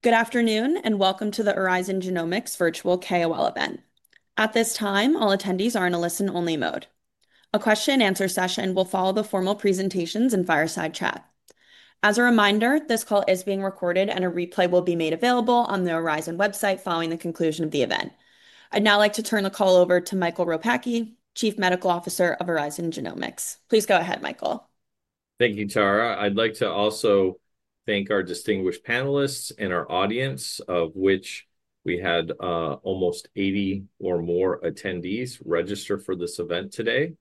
Good afternoon and welcome to the Oryzon Genomics Virtual KOL event. At this time all attendees are in a listen only mode. A question and answer session will follow the formal presentations and fireside chat. As a reminder, this call is being recorded and a replay will be made available on the Oryzon website following the conclusion of the event. I'd now like to turn the call over to Michael Ropacki, Chief Medical Officer of Oryzon Genomics. Please go ahead Michael. Thank you, Tara. I'd like to also thank our distinguished panelists and our audience of which we had almost 80 or more attendees register for this event today.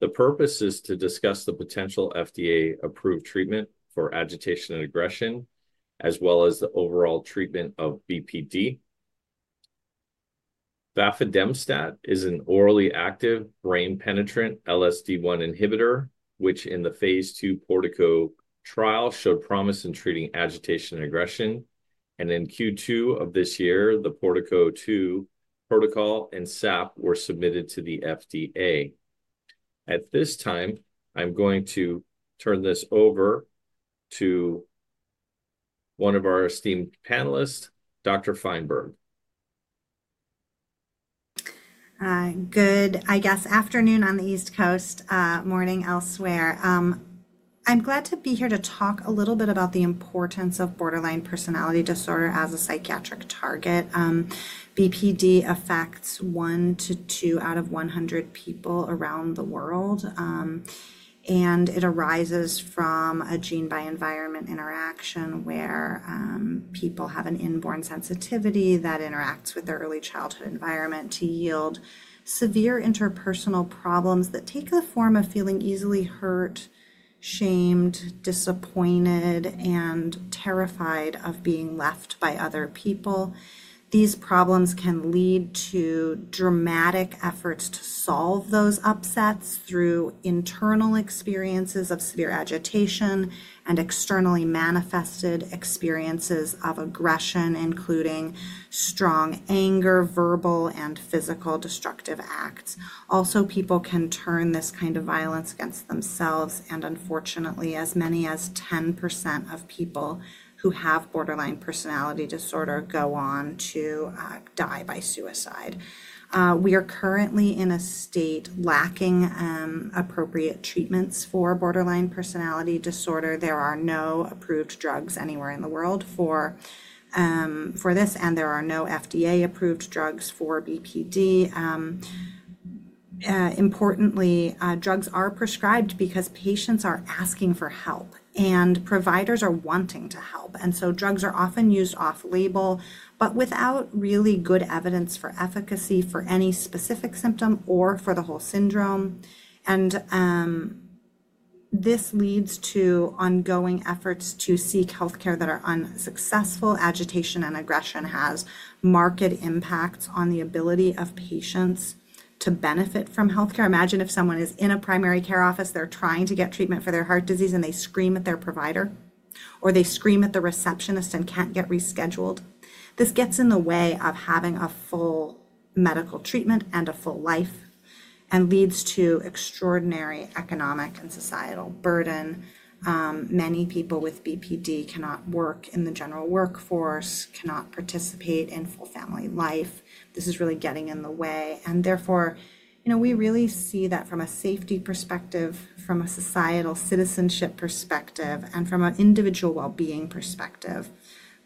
The purpose is to discuss the potential FDA approved treatment for agitation and aggression as well as the overall treatment of BPD. Vafidemstat is an orally active brain penetrant LSD1 inhibitor which in the Phase II-B PORTICO trial showed promise in treating agitation and aggression. In Q2 of this year, the PORTICO 2 protocol and statistical analysis plan were submitted to the FDA. At this time I'm going to turn this over to one of our esteemed panelists, Dr. Fineberg. Good, I guess. Afternoon on the East Coast, morning elsewhere. I'm glad to be here to talk a little bit about the importance of Borderline Personality Disorder as a psychiatric target. BPD affects 1-2 out of 100 people around the world and it arises from a gene by environment interaction where people have an inborn sensitivity that interacts with their early childhood environment to yield severe interpersonal problems that take the form of feeling easily hurt, shamed, disappointed, and terrified of being left by other people. These problems can lead to dramatic efforts to solve those upsets through internal experiences of severe agitation and externally manifested experiences of aggression, including strong anger, verbal and physical destructive acts. Also, people can turn this kind of violence against themselves and unfortunately, as many as 10% of people who have Borderline Personality Disorder go on to die by suicide. We are currently in a state lacking appropriate treatments for Borderline Personality Disorder. There are no approved drugs anywhere in the world for this and there are no FDA approved drugs for BPD. Importantly, drugs are prescribed because patients are asking for help and providers are wanting to help. Drugs are often used off-label but without really good evidence for efficacy for any specific symptom or for the whole syndrome. This leads to ongoing efforts to seek healthcare that are unsuccessful. Agitation and aggression has marked impacts on the ability of patients to benefit from healthcare. Imagine if someone is in a primary care office, they're trying to get treatment for their heart disease and they scream at their provider or they scream at the receptionist and can't get rescheduled. This gets in the way of having a full medical treatment and a full life and leads to extraordinary economic and societal burden. Many people with BPD cannot work in the general workforce, cannot participate in full family life. This is really getting in the way and therefore we really see that from a safety perspective, from a societal citizenship perspective, and from an individual well-being perspective.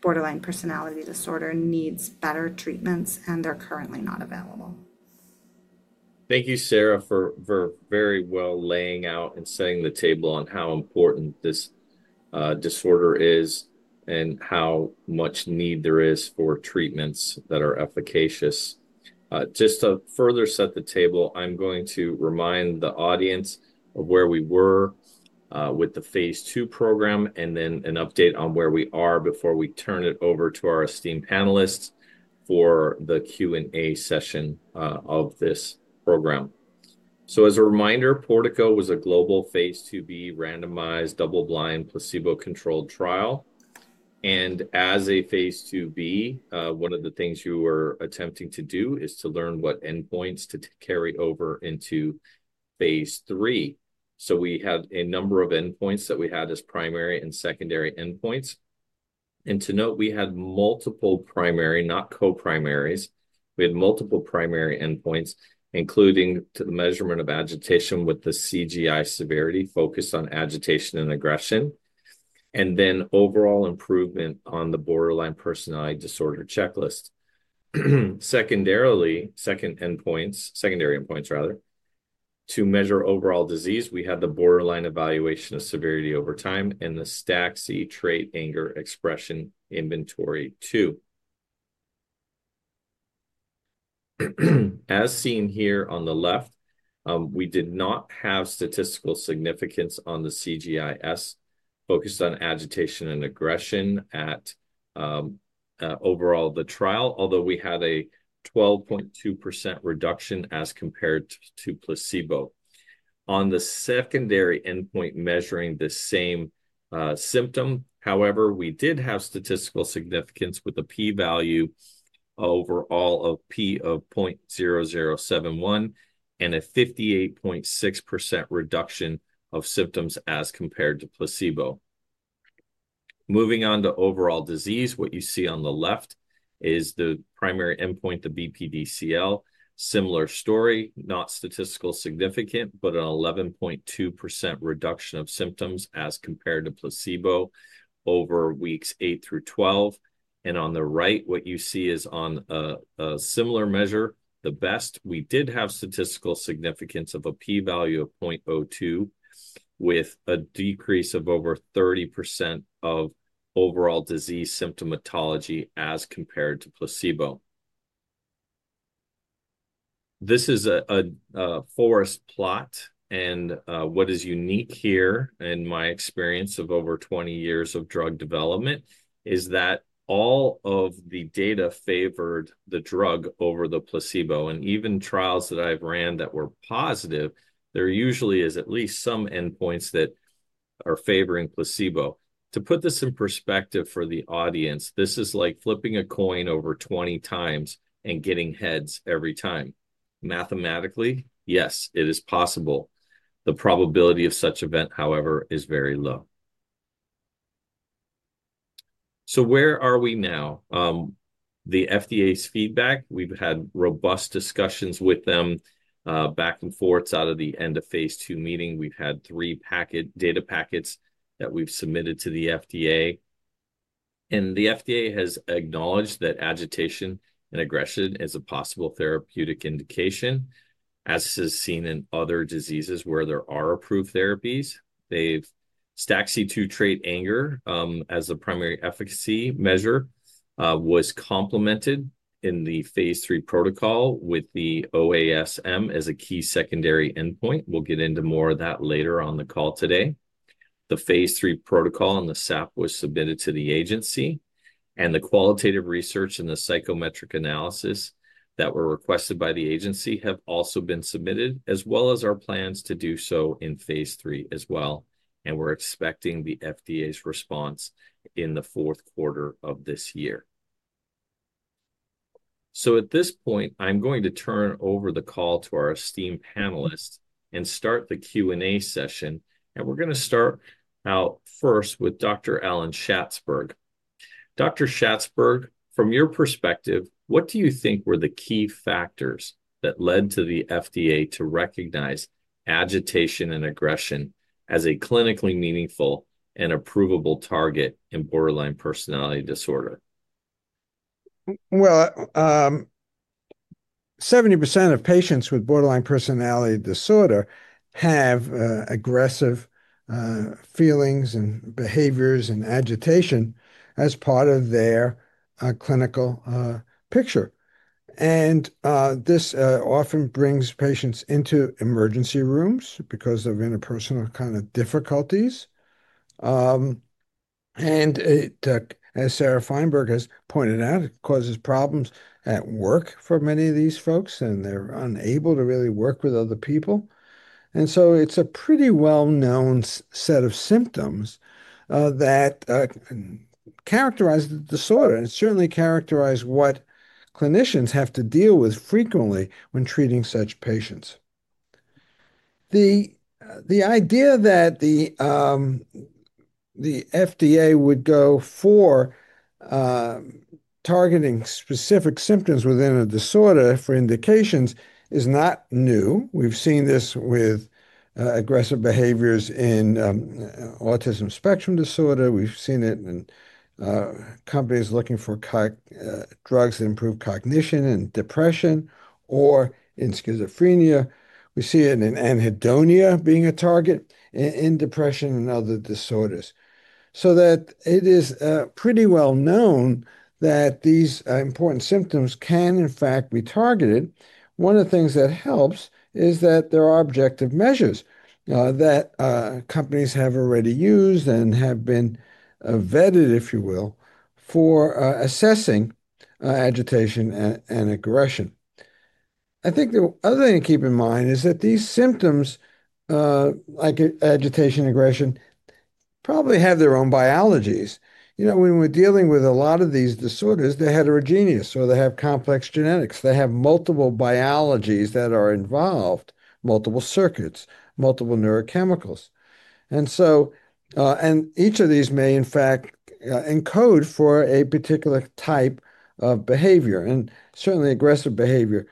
Borderline Personality Disorder needs better treatments and they're currently not available. Thank you, Sarah, for very well laying out and setting the table on how important this disorder is and how much need there is for treatments that are efficacious. Just to further set the table, I'm going to remind the audience of where we were with the Phase II-B program and then an update on where we are before we turn it over to our esteemed panelists for the Q&A session of this program. As a reminder, PORTICO was a global Phase II-B randomized double-blind placebo-controlled trial, and as a Phase II-B, one of the things you were attempting to do is to learn what endpoints to carry over into Phase III. We had a number of endpoints that we had as primary and secondary endpoints, and to note, we had multiple primary, not co-primaries. We had multiple primary endpoints, including the measurement of agitation with the CGI severity focused on agitation and aggression, and then overall improvement on the Borderline Personality Disorder Checklist. Secondarily, secondary endpoints, rather, to measure overall disease, we had the Borderline Evaluation of Severity Over Time and the STAXI-2 Trait Anger Expression Inventory as seen here. On the left, we did not have statistical significance on the CGI-S focused on agitation and aggression overall in the trial, although we had a 12.2% reduction as compared to placebo on the secondary endpoint measuring the same symptom. However, we did have statistical significance with the p value overall of p of 0.0071 and a 58.6% reduction of symptoms as compared to placebo. Moving on to overall disease, what you see on the left is the primary endpoint, the BPDCL. Similar story, not statistically significant, but an 11.2% reduction of symptoms as compared to placebo over weeks 8 through 12, and on the right, what you see is on a similar measure, the BEST, we did have statistical significance of a p value of 0.02 with a decrease of over 30% of overall disease symptomatology as compared to placebo. This is a forest plot, and what is unique here in my experience of over 20 years of drug development is that all of the data favored the drug over the placebo. Even trials that I've run that were positive, there usually is at least some endpoints that are favoring placebo. To put this in perspective for the audience, this is like flipping a coin over 20 times and getting heads every time. Mathematically, yes, it is possible. The probability of such event, however, is very low. Where are we now? The FDA's feedback? We've had robust discussions with them back and forth out of the end of Phase II meeting. We've had three data packets that we've submitted to the FDA. The FDA has acknowledged that agitation and aggression is a possible therapeutic indication, as is seen in other diseases where there are approved therapies. The STAXI-2 Trait Anger as a primary efficacy measure was complemented in the Phase III protocol with the OASM as a key secondary endpoint. We'll get into more of that later on the call today. The Phase III protocol and the statistical analysis plan was submitted to the agency, and the qualitative research and the psychometric analysis that were requested by the agency have also been submitted, as well as our plans to do so in Phase III as well. We're expecting the FDA's response in the fourth quarter of this year. At this point, I'm going to turn over the call to our esteemed panelists and start the Q&A session. We're going to start out first with Dr. Alan Schatzberg. Dr. Schatzberg, from your perspective, what do you think were the key factors that led to the FDA to recognize agitation and aggression as a clinically meaningful and approvable target in Borderline Personality Disorder? Seventy percent of patients with borderline personality disorder have aggressive feelings and behaviors and agitation as part of their clinical picture. This often brings patients into emergency rooms because of interpersonal kind of difficulties. As Sarah Fineberg has pointed out, it causes problems at work for many of these folks and they're unable to really work with other people. It is a pretty well known set of symptoms that characterize the disorder and certainly characterize what clinicians have to deal with frequently when treating such patients. The idea that the FDA would go for Targeting specific symptoms within a disorder for indications is not new. We've seen this with aggressive behaviors in autism spectrum disorder. We've seen it in companies looking for drugs that improve cognition in depression or in schizophrenia. We see it in anhedonia being a target in depression and other disorders, so it is pretty well known that these important symptoms can in fact be targeted. One of the things that helps is that there are objective measures that companies have already used and have been vetted, if you will, for assessing agitation and aggression. I think the other thing to keep in mind is that these symptoms like agitation, aggression probably have their own biologies. You know, when we're dealing with a lot of these disorders, they're heterogeneous or they have complex genetics, they have multiple biologies that are involved, multiple circuits, multiple neurochemicals. Each of these may in fact encode for a particular type of behavior. Certainly aggressive behavior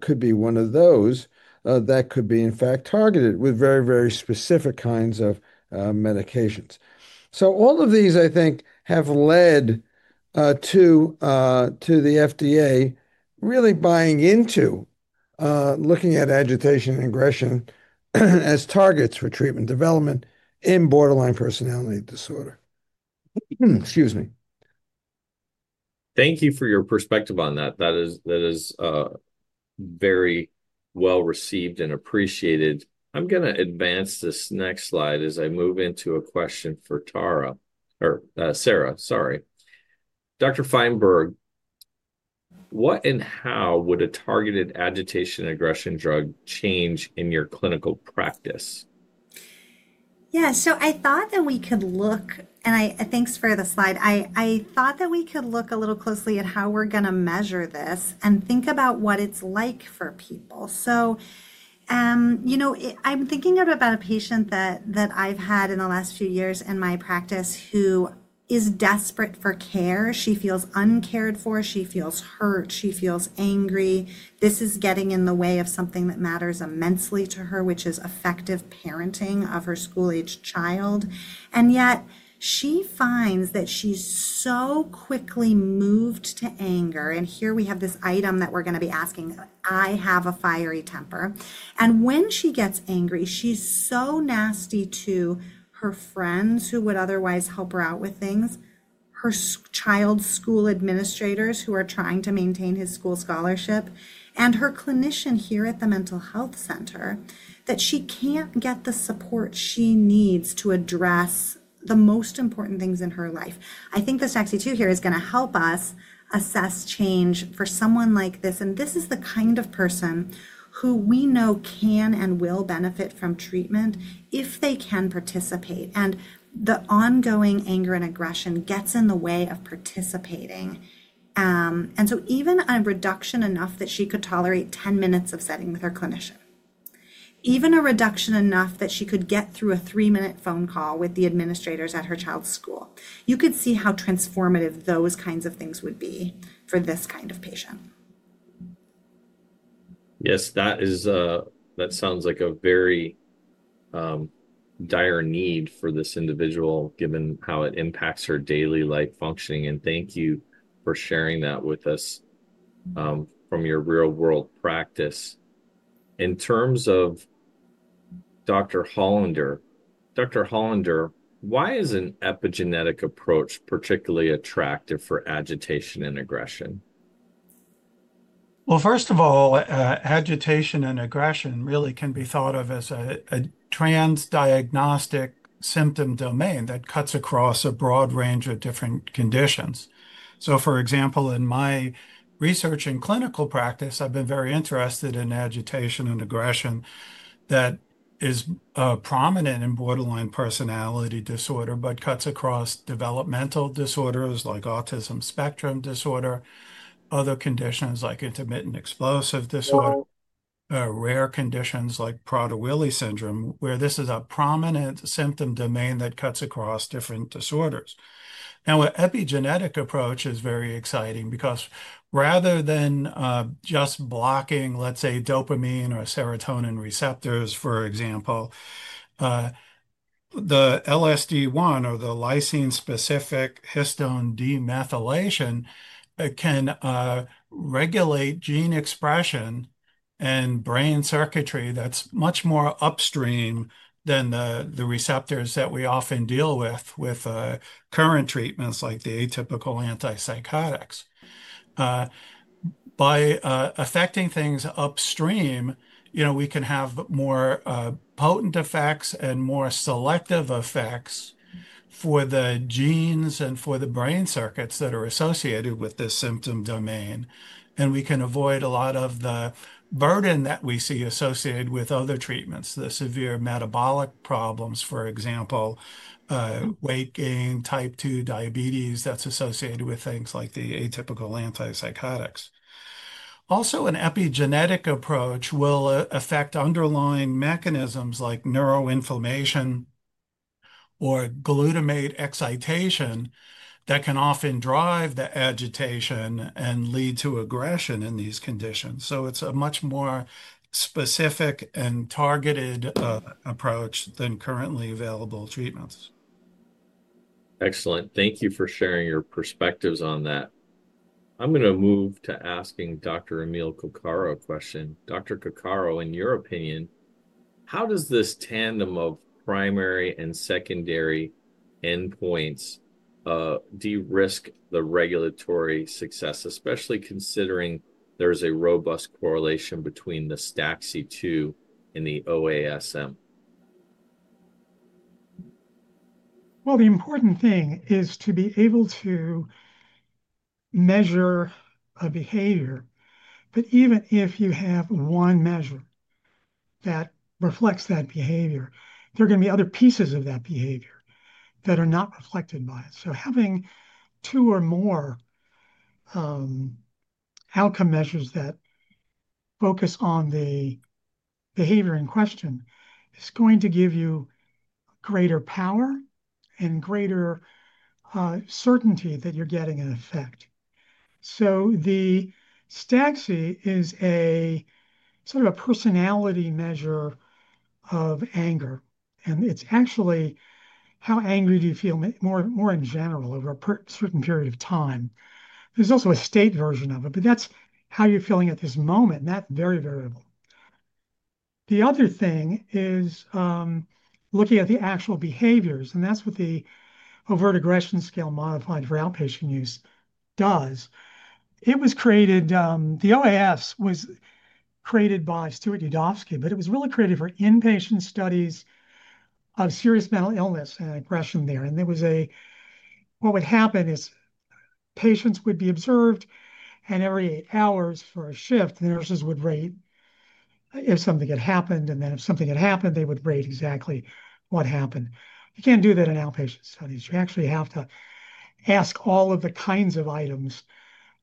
could be one of those that could be in fact targeted with very, very specific kinds of medications. All of these, I think, have led to the FDA really buying into looking at agitation and aggression as targets for treatment development in borderline personality disorder. Excuse me. Thank you for your perspective on that. That is very well received and appreciated. I'm going to advance this next slide as I move into a question for Dr. Fineberg. What and how would a targeted agitation aggression drug change in your clinical practice? Yeah, I thought that we could look. Thanks for the slide. I thought that we could look a little closely at how we're going to measure this and think about what it's like for people. I'm thinking about a patient that I've had in the last few years in my practice who is desperate for care. She feels uncared for, she feels hurt, she feels angry. This is getting in the way of something that matters immensely to her, which is effective parenting of her school age child. Yet she finds that she's so quickly moved to anger. Here we have this item that we're going to be asking. I have a fiery temper and when she gets angry, she's so nasty to her friends who would otherwise help her out with things, her child's school administrators who are trying to maintain his school scholarship, and her clinician here at the mental health center that she can't get the support she needs to address the most important things in her life. I think the STAXI-2 Trait Anger here is going to help us assess change for someone like this. This is the kind of person who we know can and will benefit from treatment if they can participate. The ongoing anger and aggression gets in the way of participating. Even a reduction enough that she could tolerate 10 minutes of setting with her clinician, even a reduction enough that she could get through a three minute phone call with the administrators at her child's school. You could see how transformative those kinds of things would be for this kind of patient. Yes, that sounds like a very dire need for this individual given how it impacts her daily life functioning. Thank you for sharing that with us from your real world practice. In terms of Dr. Hollander, Dr. Hollander, why is an epigenetic approach particularly attractive for agitation and aggression? First of all, agitation and aggression really can be thought of as a transdiagnostic symptom domain that cuts across a broad range of different conditions. For example, in my research and clinical practice, I've been very interested in agitation and aggression that is prominent in borderline personality disorder, but cuts across developmental disorders like autism spectrum disorder, other conditions like intermittent explosive disorder, and rare conditions like Prader Willi syndrome, where this is a prominent symptom domain that cuts across different disorders. An epigenetic approach is very exciting because rather than just blocking, let's say, dopamine or serotonin receptors, for example, the LSD1 or the lysine-specific histone demethylation can regulate gene expression and brain circuitry that's much more upstream than the receptors that we often deal with with current treatments like the atypical antipsychotics. By affecting things upstream, we can have more potent effects and more selective effects for the genes and for the brain circuits that are associated with this symptom domain. We can avoid a lot of the burden that we see associated with other treatments, the severe metabolic problems, for example, weight gain, type 2 diabetes that's associated with things like the atypical antipsychotics. Also, an epigenetic approach will affect underlying mechanisms like neuroinflammation or glutamate excitation that can often drive the agitation and lead to aggression in these conditions. It's a much more specific and targeted approach than currently available treatments. Excellent. Thank you for sharing your perspectives on that. I'm going to move to asking Dr. Emil Coccaro a question. Dr. Coccaro, in your opinion, how does this tandem of primary and secondary endpoints de-risk the regulatory success? Especially considering there's a robust correlation between the STAXI-2 and in the OASM? The important thing is to be able to measure a behavior. Even if you have one measure that reflects that behavior, there are going to be other pieces of that behavior that are not reflected by it. Having two or more outcome measures that focus on the behavior in question is going to give you greater power and greater certainty that you're getting an effect. The STAXI-2 is a sort of a personality measure of anger, and it's actually how angry do you feel more in general over a certain period of time. There's also a state version of it, but that's how you're feeling at this moment, not very variable. The other thing is looking at the actual behaviors, and that's what the Overt Aggression Scale-Modified for outpatient use does. The OAS was created by Stuart Yudofsky, but it was really created for inpatient studies of serious mental illness and aggression there. What would happen is patients would be observed and every eight hours for a shift, the nurses would rate if something had happened, and then if something had happened, they would rate exactly what happened. You can't do that in outpatient studies. You actually have to ask all of the kinds of items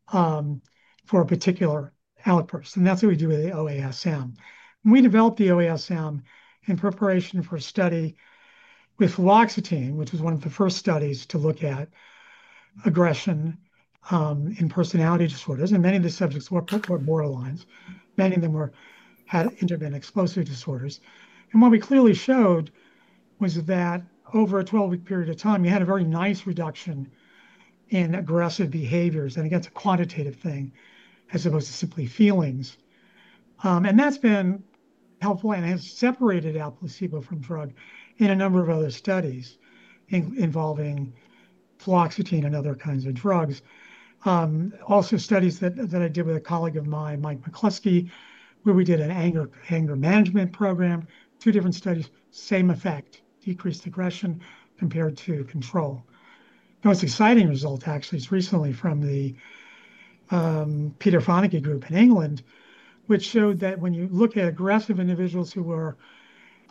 for a particular outpost, and that's what we do with the OASM. We developed the OASM in preparation for study with fluoxetine, which was one of the first studies to look at aggression in personality disorders. Many of the subjects, borderlines, many of them had intermittent explosive disorders. What we clearly showed was that over a 12-week period of time, you had a very nice reduction in aggressive behaviors and against a quantitative thing as opposed to simply feelings. That plan has separated out placebo from drug in a number of other studies involving fluoxetine and other kinds of drugs. Also, studies that I did with a colleague of mine, Mike McCluskey, where we did an anger management program, two different studies, same effect, decreased aggression compared to control. The most exciting result actually is recently from the Peter Fonagy group in England, which showed that when you look at aggressive individuals who were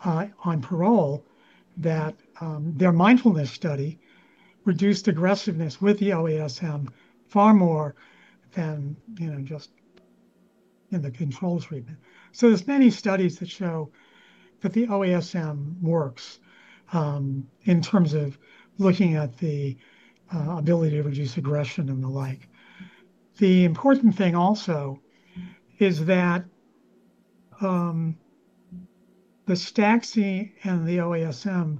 on parole, their mindfulness study reduced aggressiveness with the OASM far more than just in the control treatment. There are many studies that show that the OASM works in terms of looking at the ability to reduce aggression and the like. The important thing also is that the STAXI-2 Trait Anger and the OASM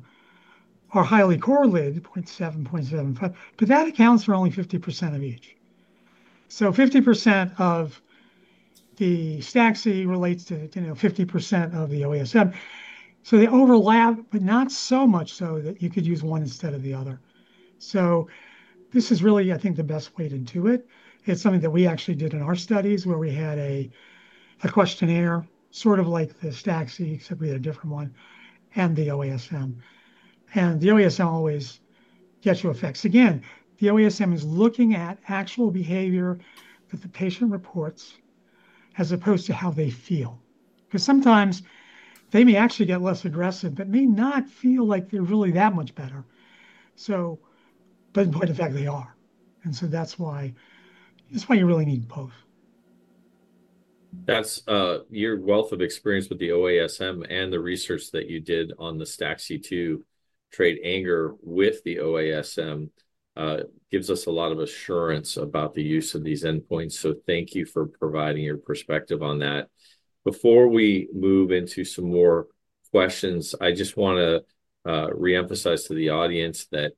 are highly correlated, 0.7, 0.75, but that accounts for only 50% of each. So 50% of the STAXI-2 Trait Anger relates to 50% of the OASM. They overlap, but not so much so that you could use one instead of the other. This is really, I think, the best way to do it. It's something that we actually did in our studies where we had a questionnaire sort of like the STAXI-2 Trait Anger except we had a different one, and the OASM. The OASM always gets you effects. Again, the OASM is looking at actual behavior that the patient reports as opposed to how they feel because sometimes they may actually get less aggressive but may not feel like they're really that much better. In fact, they are, and that's why you really need both. That's your wealth of experience with the OASM and the research that you did on the STAXI-2 Trait Anger with the OASM gives us a lot of assurance about the use of these endpoints. Thank you for providing your perspective on that. Before we move into some more questions, I just want to re-emphasize to the audience that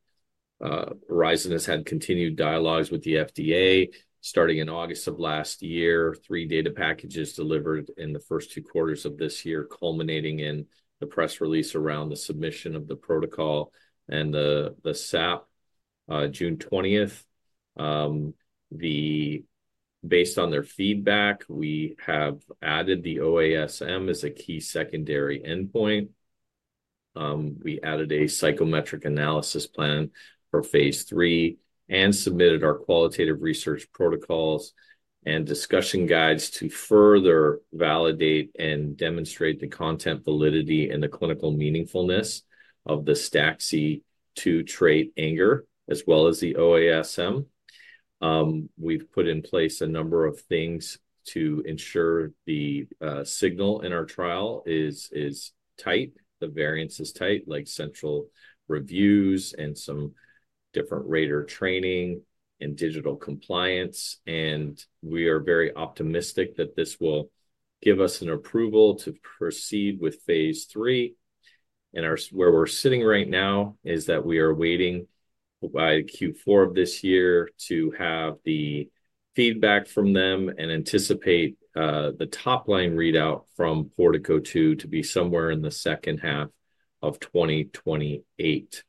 Oryzon Genomics has had continued dialogues with the FDA starting in August of last year. Three data packages delivered in the first two quarters of this year, culminating in the press release around the submission of the protocol and the statistical analysis plan June 20th. Based on their feedback, we have added the OASM as a key secondary endpoint. We added a psychometric analysis plan for Phase III and submitted our qualitative research protocols and discussion guides to further validate and demonstrate the content validity and the clinical meaningfulness of the STAXI-2 Trait Anger as well as the OASM. We've put in place a number of things to ensure the signal in our trial is tight, the variance is tight, like central reviews and some different rater training and digital compliance. We are very optimistic that this will give us an approval to proceed with Phase III. Where we're sitting right now is that we are waiting by Q4 of this year to have the feedback from them and anticipate the top-line readout from PORTICO 2 to be somewhere in the second half of 2028.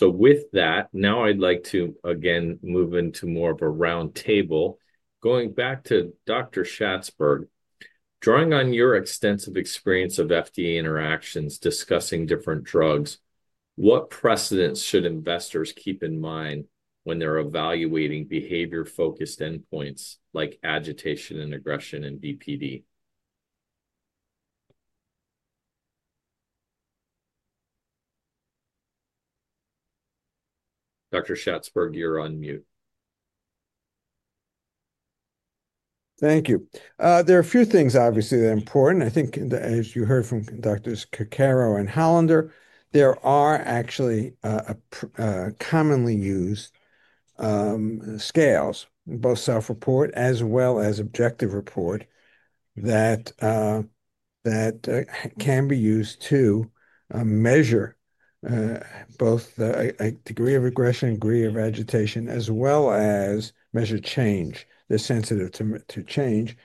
With that, now I'd like to again move into more of a roundtable. Going back to Dr. Schatzberg, drawing on your extensive experience of FDA interactions discussing different drugs, what precedents should investors keep in mind when they're evaluating behavior-focused endpoints like agitation and aggression in BPD? Dr. Schatzberg, you're on mute. Thank you. There are a few things obviously that are important. I think as you heard from Drs. Coccaro and Eric Hollander, there are actually commonly used scales, both self-report as well as objective report, that can be used to measure both the degree of aggression, degree of agitation as well as measure change. They're sensitive to change,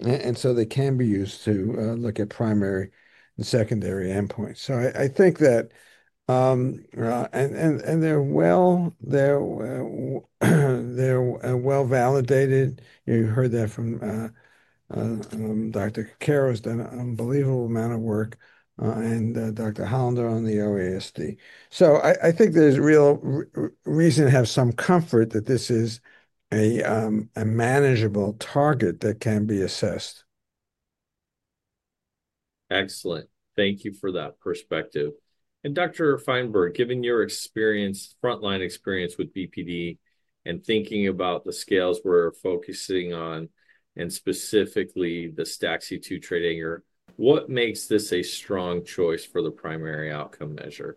and they can be used to look at primary and secondary endpoints. I think that they're well validated. You heard that from Dr. Coccaro, who's done an unbelievable amount of work, and Dr. Hollander on the OASM. I think there's real reason to have some comfort that this is a manageable target that can be assessed. Excellent. Thank you for that perspective. Dr. Fineberg, given your experience, frontline experience with BPD and thinking about the scales we're focusing on, and specifically the STAXI-2 Trait Anger, what makes this a strong choice for the primary outcome measure?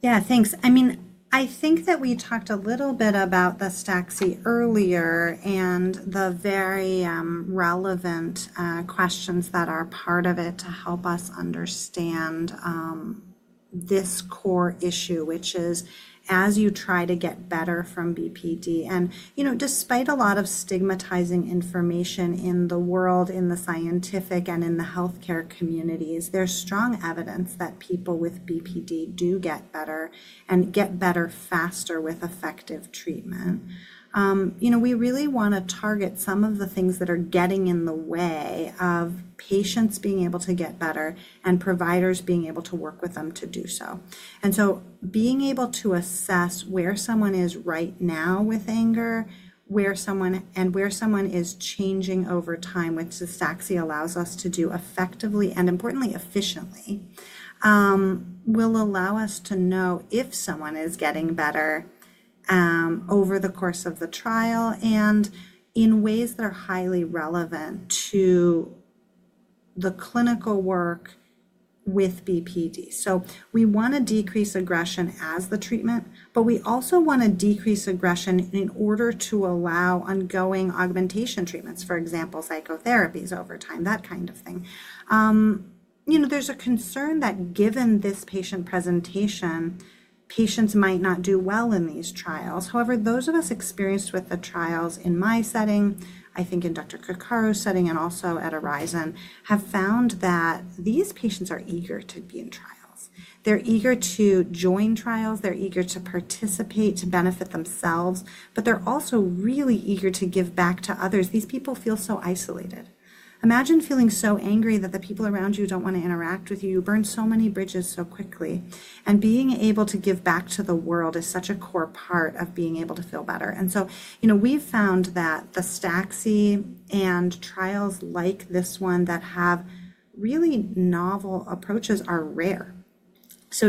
Yeah, thanks. I mean, I think that we talked a little bit about the STAXI-2 Trait Anger earlier and the very relevant questions that are part of it to help us understand this core issue, which is as you try to get better from BPD and, you know, despite a lot of stigmatizing information in the world, in the scientific and in the healthcare communities, there's strong evidence that people with BPD do get better and get better faster with effective treatment. You know, we really want to target some of the things that are getting in the way of patients being able to get better and providers being able to work with them to do so. Being able to assess where someone is right now with anger and where someone is changing over time, which the STAXI-2 allows us to do effectively and importantly efficiently, will allow us to know if someone is getting better over the course of the trial and in ways that are highly relevant to the clinical work with BPD. We want to decrease aggression as the treatment, but we also want to decrease aggression in order to allow ongoing augmentation treatments, for example, psychotherapies over time, that kind of thing. There's a concern that given this patient presentation, patients might not do well in these trials. However, those of us experienced with the trials in my setting, I think in Dr. Coccaro's setting and also at Oryzon, have found that these patients are eager to be in trials. They're eager to join trials, they're eager to participate to benefit themselves, but they're also really eager to give back to others. These people feel so isolated. Imagine feeling so angry that the people around you don't want to interact with you. You burn so many bridges so quickly. Being able to give back to the world is such a core part of being able to feel better. We've found that the STAXI-2 and trials like this one that have really novel approaches are rare.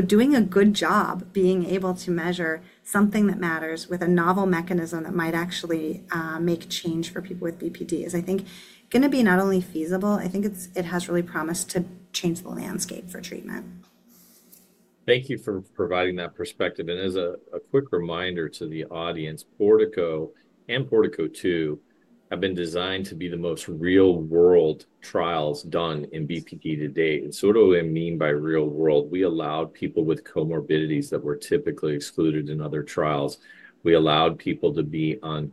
Doing a good job, being able to measure something that matters with a novel mechanism that might actually make change for people with BPD is, I think, going to be not only feasible, I think it has really promise to change the landscape for treatment. Thank you for providing that perspective. As a quick reminder to the audience, PORTICO and PORTICO 2 have been designed to be the most real world trials done in BPD to date. What do I mean by real world? We allowed people with comorbidities that were typically excluded in other trials. We allowed people to be on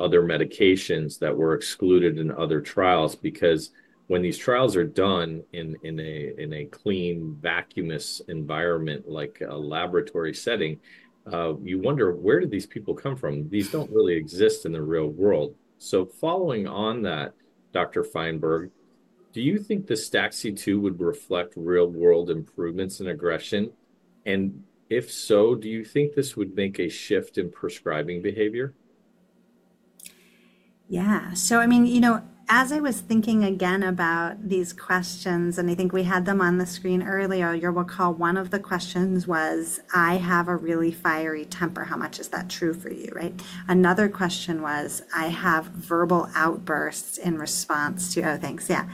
other medications that were excluded in other trials. When these trials are done in a clean, vacuumous environment like a laboratory setting, you wonder where did these people come from? These don't really exist in the real world. Following on that, Dr. Fineberg, do you think the STAXI-2 Trait Anger would reflect real world improvements in aggression? If so, do you think this would make a shift in prescribing behavior? Yeah. I mean, as I was thinking again about these questions and I think we had them on the screen earlier. You'll recall one of the questions was I have a really fiery temper. How much is that true for you? Right. Another question was I have verbal outbursts in response to, oh, thanks. Yeah,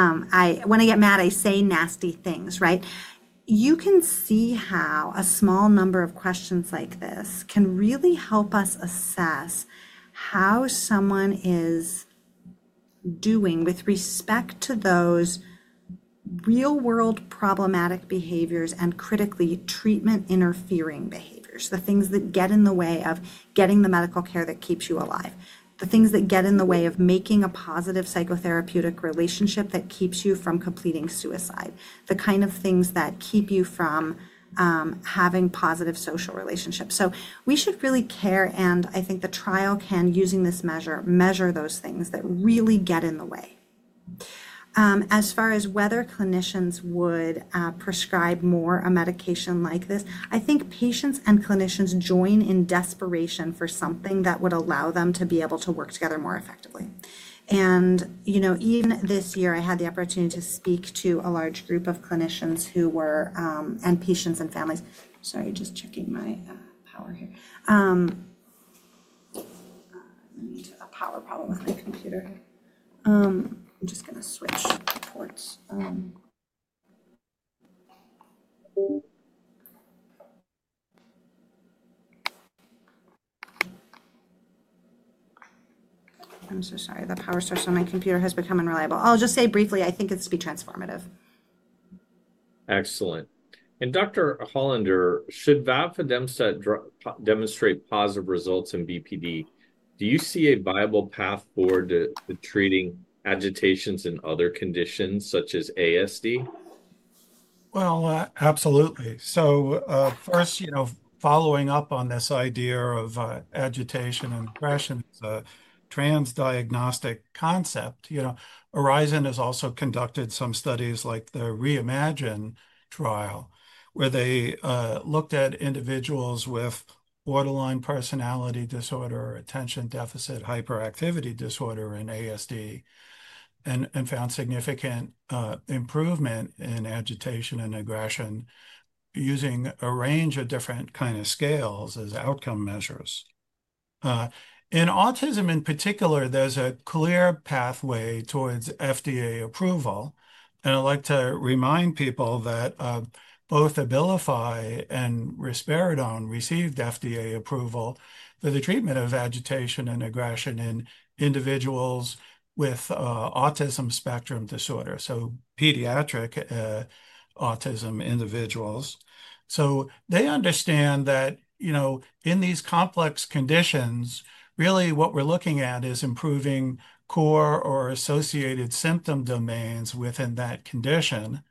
when I get mad, I say nasty things. Right. You can see how a small number of questions like this can really help us assess how someone is doing with respect to those real world problematic behaviors and critically treatment interfering behaviors. The things that get in the way of getting the medical care that keeps you alive. The things that get in the way of making a positive psychotherapeutic relationship that keeps you from completing suicide. The kind of things that keep you from having positive social relationships. We should really care. I think the trial can, using this measure, measure those things that really get in the way as far as whether clinicians would prescribe more a medication like this. I think patients and clinicians join in desperation for something that would allow them to be able to work together more effectively. Even this year I had the opportunity to speak to a large group of clinicians who were and patients and families. Sorry, just checking my power here. I need a power problem with my computer. I'm just going to switch ports. I'm so sorry, the power source on my computer has become unreliable. I'll just say briefly, I think it's be transformative. Excellent. Dr. Hollander, should Vafidemstat demonstrate positive results in BPD, do you see a viable path forward to treating agitations in other conditions such as ASD? Absolutely. First, you know, following up on this idea of agitation and aggression as a transdiagnostic concept, Oryzon Genomics has also conducted some studies like the Reimagine trial where they looked at individuals with borderline personality disorder, attention deficit hyperactivity disorder, and ASD and found significant improvement in agitation and aggression using a range of different kinds of scales as outcome measures. In autism in particular, there's a clear pathway towards FDA approval, and I'd like to remind people that both Abilify and Risperidone received FDA approval for the treatment of agitation and aggression in individuals with autism spectrum disorder, so pediatric autism individuals, so they understand that, you know, in these complex conditions, really what we're looking at is improving core or associated symptom domains within that condition.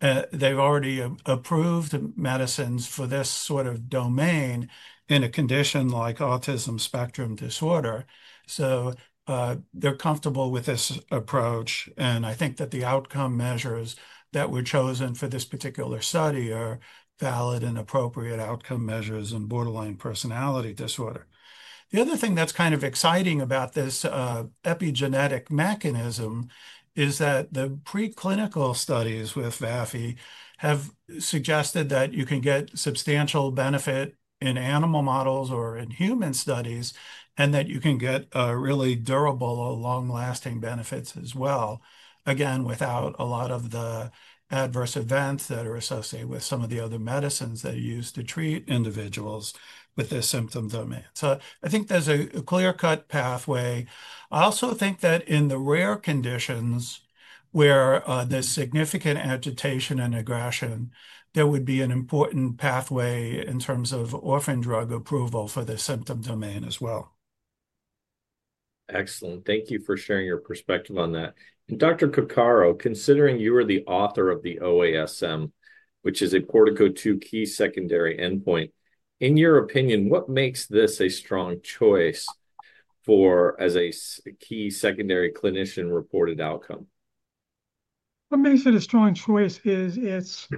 They've already approved medicines for this sort of domain in a condition like autism spectrum disorder, so they're comfortable with this approach. I think that the outcome measures that were chosen for this particular study are valid and appropriate outcome measures in borderline personality disorder. The other thing that's kind of exciting about this epigenetic mechanism is that the preclinical studies with Vafidemstat have suggested that you can get substantial benefit in animal models or in human studies and that you can get really durable or long-lasting benefits as well, again without a lot of the adverse events that are associated with some of the other medicines they use to treat individuals with this symptom domain. I think there's a clear-cut pathway. I also think that in the rare conditions where there's significant agitation and aggression, there would be an important pathway in terms of orphan drug approval for the symptom domain as well. Excellent. Thank you for sharing your perspective. Dr. Coccaro, considering you are the author of the OASM, which is a PORTICO key secondary endpoint, in your opinion, what makes this a strong choice as a key secondary clinician reported outcome? What makes it a strong choice is its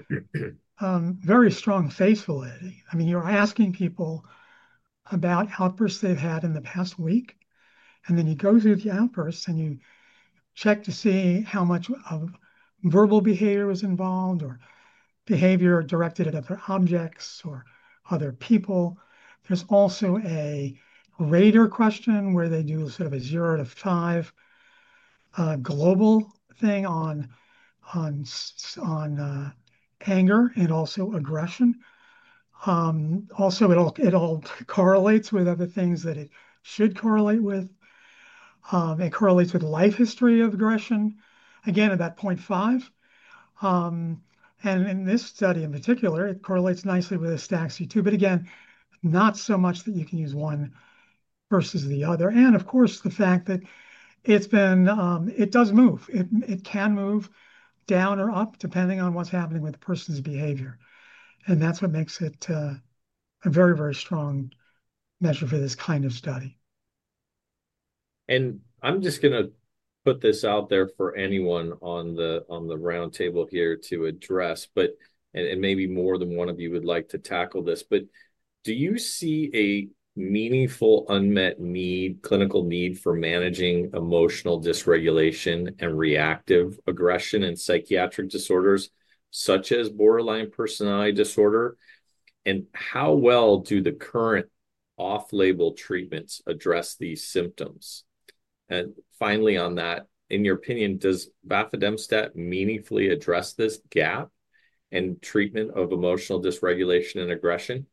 very strong face validity. I mean, you're asking people about outbursts they've had in the past week, and then you go through the outbursts and you check to see how much of verbal behavior is involved or behavior directed at other objects or other people. There's also a rater question where they do sort of a zero to five global thing on anger and also aggression. It all correlates with other things that it should correlate with. It correlates with life history of aggression, again about 0.5. In this study in particular, it correlates nicely with STAXI-2, but again, not so much that you can use one versus the other. The fact that it does move, it can move down or up depending on what's happening with a person's behavior, that's what makes it a very, very strong measure for this kind of study. I'm just going to put this out there for anyone on the roundtable here to address. Maybe more than one of you would like to tackle this. Do you see a meaningful unmet need, clinical need for managing emotional dysregulation and reactive aggression in psychiatric disorders such as borderline personality disorder? How well do the current off-label treatments address these symptoms? Finally, in your opinion, does Vafidemstat meaningfully address this gap in treatment of emotional dysregulation and aggression?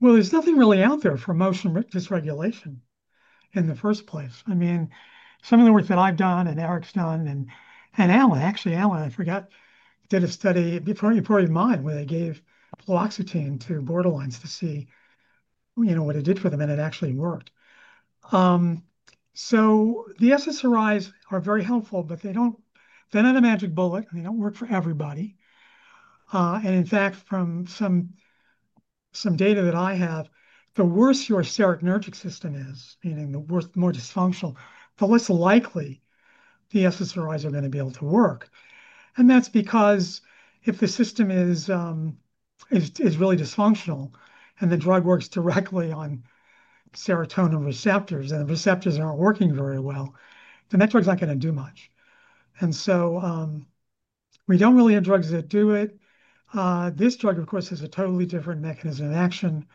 There's nothing really out there for emotional dysregulation in the first place. I mean, some of the work that I've done and Eric's done and Alan, actually Alan, I forgot, did a study before, you mind, where they gave fluoxetine to borderlines to see, you know, what it did for them. It actually worked. The SSRIs are very helpful, but they're not a magic bullet and they don't work for everybody. In fact, from some data that I have, the worse your serotonergic system is, meaning the worse, more dysfunctional, the less likely the SSRIs are going to be able to work. That's because if the system is really dysfunctional and the drug works directly on serotonin receptors, and receptors aren't working very well, then that drug's not going to do much. We don't really have drugs that do it. This drug, of course, is a totally different mechanism of action.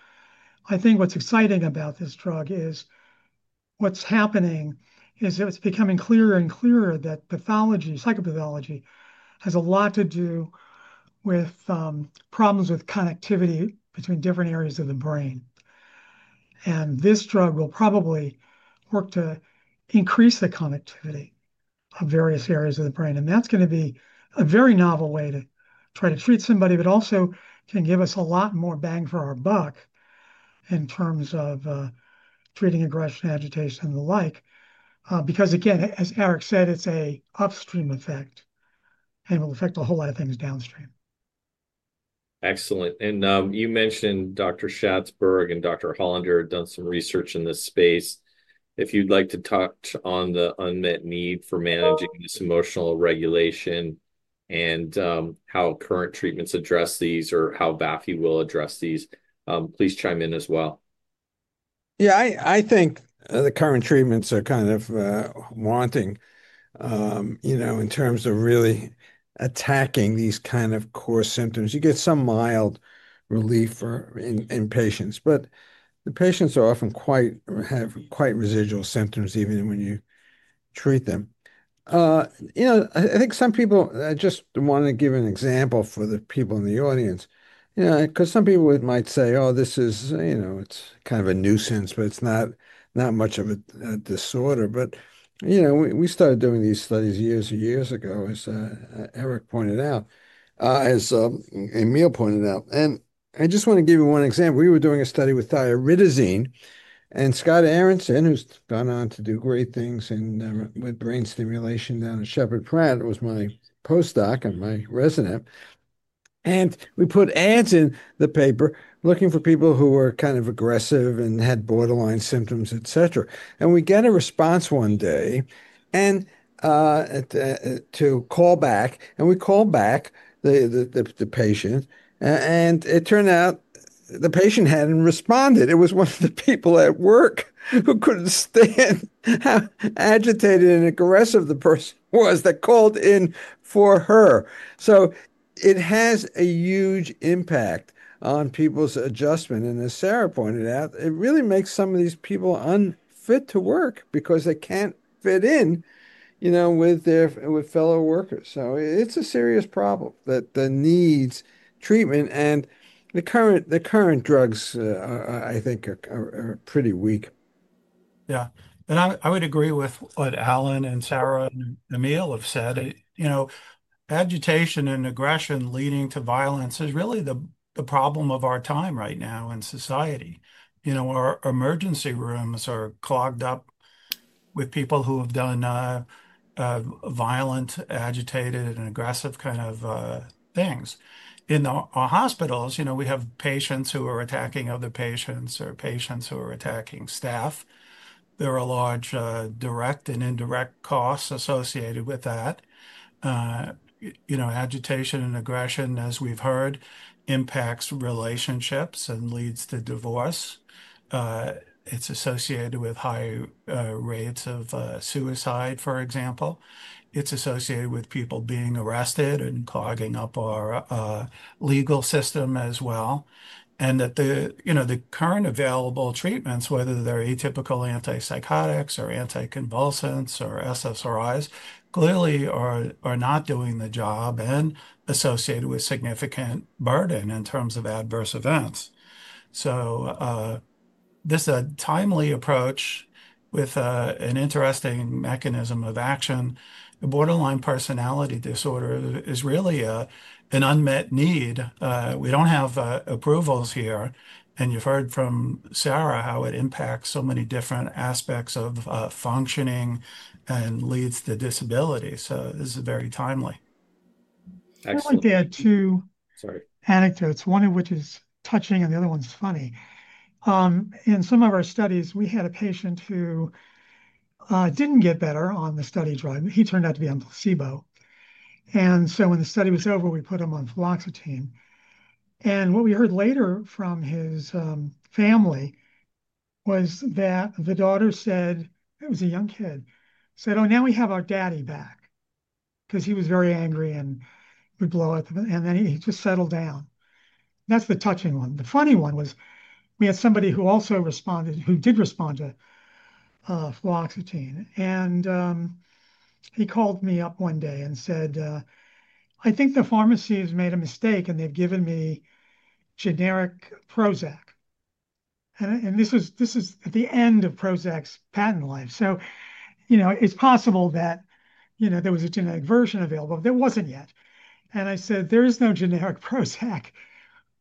I think what's exciting about this drug is what's happening is it's becoming clearer and clearer that pathology, psychopathology has a lot to do with problems with connectivity between different areas of the brain. This drug will probably work to increase the connectivity of various areas of the brain. That's going to be a very novel way to try to treat somebody, but also can give us a lot more bang for our buck in terms of treating aggressive agitation, the like, because again, as Eric said, it's an upstream effect and will affect a whole lot of things downstream. Excellent. You mentioned Dr. Schatzberg and Dr. Hollander have done some research in this space. If you'd like to touch on the unmet need for managing this emotional regulation and how current treatments address these or how Vafidemstat will address these, please chime in as well. Yeah, I think the current treatments are kind of wanting in terms of really attacking these kind of core symptoms. You get some mild relief in patients, but the patients often have quite residual symptoms even when you treat them. I just want to give an example for the people in the audience. Because some people might say, oh, this is, you know, it's kind of a nuisance, but it's not. Not much of a disorder. We started doing these studies years and years ago, as Eric pointed out, as Emil pointed out. I just want to give you one example. We were doing a study with Thioridazine and Scott Aronson, who's gone on to do great things with brain stimulation down at Shepherd Pratt, was my postdoc and my resident. We put ads in the paper looking for people who were kind of aggressive and had borderline symptoms, et cetera. We get a response one day to call back, and we call back the patient, and it turned out the patient hadn't responded. It was one of the people at work who couldn't stand how agitated and aggressive the person was that called in for her. It has a huge impact on people's adjustment. As Sarah pointed out, it really makes some of these people unfit to work because they can't fit in with their fellow workers. It's a serious problem that needs treatment. The current drugs, I think, are pretty weak. Yeah. I would agree with what Alan and Sarah and Emil have said. You know, agitation and aggression leading to violence is really the problem of our time right now in society. Our emergency rooms are clogged up with people who have done violent, agitated, and aggressive kind of things. In our hospitals, we have patients who are attacking other patients or patients who are attacking staff. There are large direct and indirect costs associated with that. Agitation and aggression, as we've heard, impacts relationships and leads to divorce. It's associated with high rates of suicide, for example. It's associated with people being arrested and clogging up our legal system as well. The current available treatments, whether they're atypical antipsychotics or anticonvulsants or SSRIs, clearly are not doing the job and are associated with significant burden in terms of adverse events. This timely approach with an interesting mechanism of action, borderline personality disorder, is really an unmet need. We don't have approvals here. You've heard from Sarah how it impacts so many different aspects of functioning and leads to disability. This is very timely. I'd like to add two anecdotes, one of which is touching and the other one's funny. In some of our studies, we had a patient who didn't get better on the study drug. He turned out to be on placebo. When the study was over, we put him on fluoxetine. What we heard later from his family was that the daughter said it was a young kid, said, oh, now we have our daddy back. Because he was very angry. He would blow up. Then he just settled down. That's the touching one. The funny one was we had somebody who also responded, who did respond to fluoxetine. He called me up one day and said, I think the pharmacy has made a mistake and they've given me generic Prozac. This is at the end of Prozac's patent life. You know, it's possible that, you know, there was a generic version available. There wasn't yet. I said, there is no generic Prozac.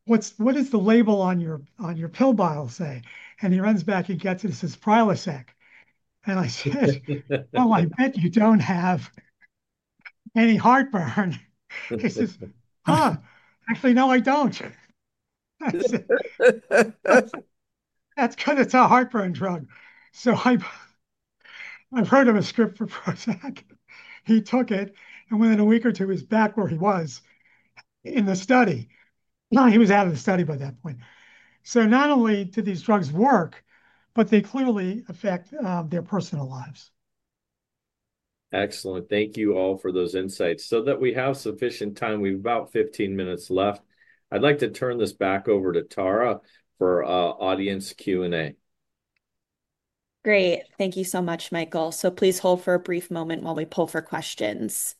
What does the label on your pill bottle say? He runs back, he gets it and says, Prilosec. I said, oh, I bet you don't have any heartburn. He says, oh, actually, no, I don't. That's because it's a heartburn drug. So I've heard of a script for Prozac. He took it and within a week or two, he's back where he was in the study. No, he was out of the study by that point. Not only do these drugs work, but they clearly affect their personal lives. Excellent. Thank you all for those insights. We have about 15 minutes left. I'd like to turn this back over to Tara for audience Q&A. Great. Thank you so much, Michael. Please hold for a brief moment while we pull for questions.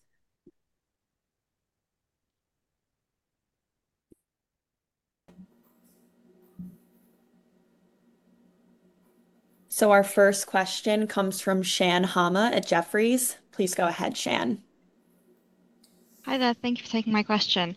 Our first question comes from Shan Hama at Jefferies. Please go ahead, Shan. Hi there. Thank you for taking my question.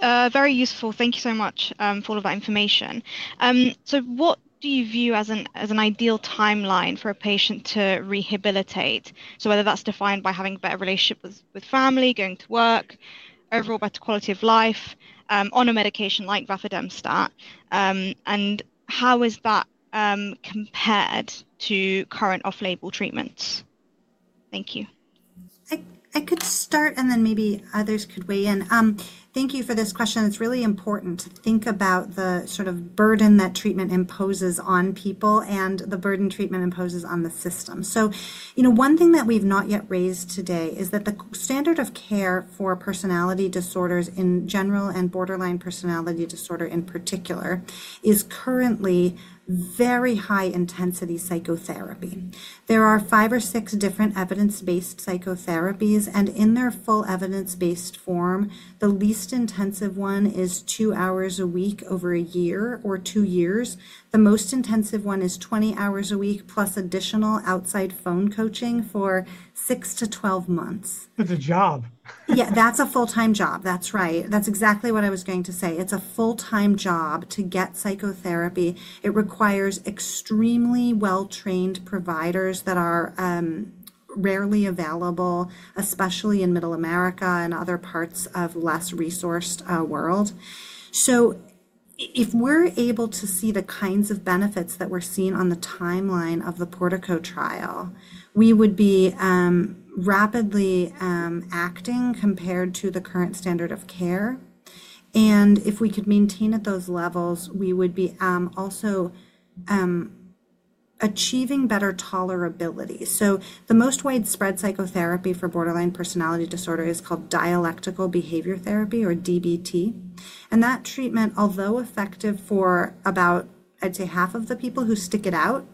Very useful. Thank you so much for all of that information. What do you view as an ideal timeline for a patient to rehabilitate? Whether that's defined by having better relationships with family, going to work, overall better quality of life on a medication like Vafidemstat, and how is that compared to current off-label treatments? Thank you. I could start and then maybe others could weigh in. Thank you for this question. It's really important to think about the sort of burden that treatment imposes on people and the burden treatment imposes on the system. One thing that we've not yet raised today is that the standard of care for personality disorders in general and borderline personality disorder in particular is currently very high intensity psychotherapy. There are five or six different evidence-based psychotherapies and in their full evidence-based form, the least intensive one is two hours a week over a year or two years. The most intensive one is 20 hours a week plus additional outside phone coaching for the six to 12 months. It's a job. Yeah, that's a full time job. That's right. That's exactly what I was going to say. It's a full time job to get psychotherapy. It requires extremely well trained providers that are rarely available, especially in middle America and other parts of less resourced world. If we're able to see the kinds of benefits that were seen on the timeline of the PORTICO trial, we would be rapidly acting compared to the current standard of care. If we could maintain at those levels, we would be also achieving better tolerability. The most widespread psychotherapy for Borderline Personality Disorder is called dialectical behavior therapy or DBT. That treatment, although effective for about, I'd say, half of the people who stick it out,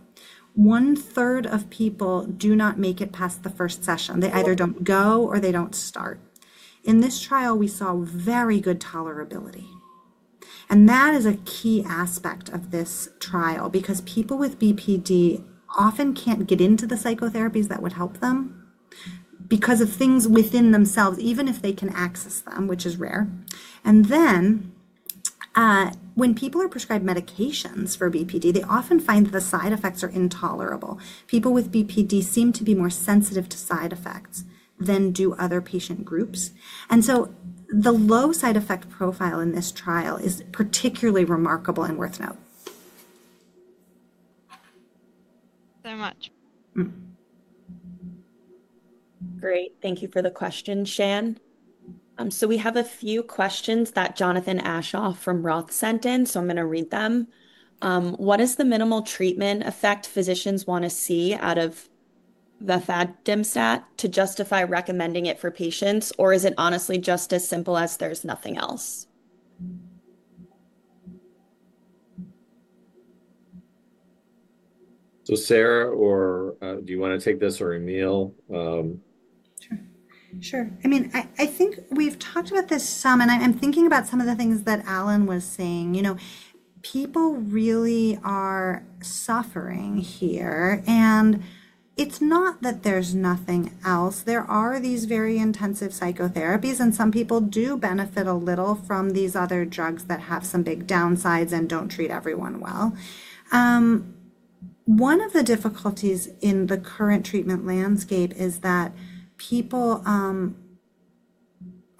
one third of people do not make it past the first session. They either don't go or they don't start. In this trial we saw very good tolerability and that is a key aspect of this trial because people with BPD often can't get into the psychotherapies that would help them because of things within themselves, even if they can access them, which is rare. When people are prescribed medications for BPD, they often find that the side effects are intolerable. People with BPD seem to be more sensitive to side effects than do other patient groups. The low side effect profile in this trial is particularly remarkable and worth noting so much. Great. Thank you for the question, Shan. We have a few questions that Jonathan Ashoff from Roth sent in, so I'm going to read them. What is the minimal treatment effect physicians want to see out of the Vafidemstat to justify recommending it for patients? Is it honestly just as simple as there's nothing else? Sarah, do you want to take this or Emil? Sure. I think we've talked about this some and I'm thinking about some of the things that Alan was saying. You know, people really are suffering here. It's not that there's nothing else. There are these very intensive psychotherapies, and some people do benefit a little from these other drugs that have some big downsides and don't treat everyone well. One of the difficulties in the current treatment landscape is that people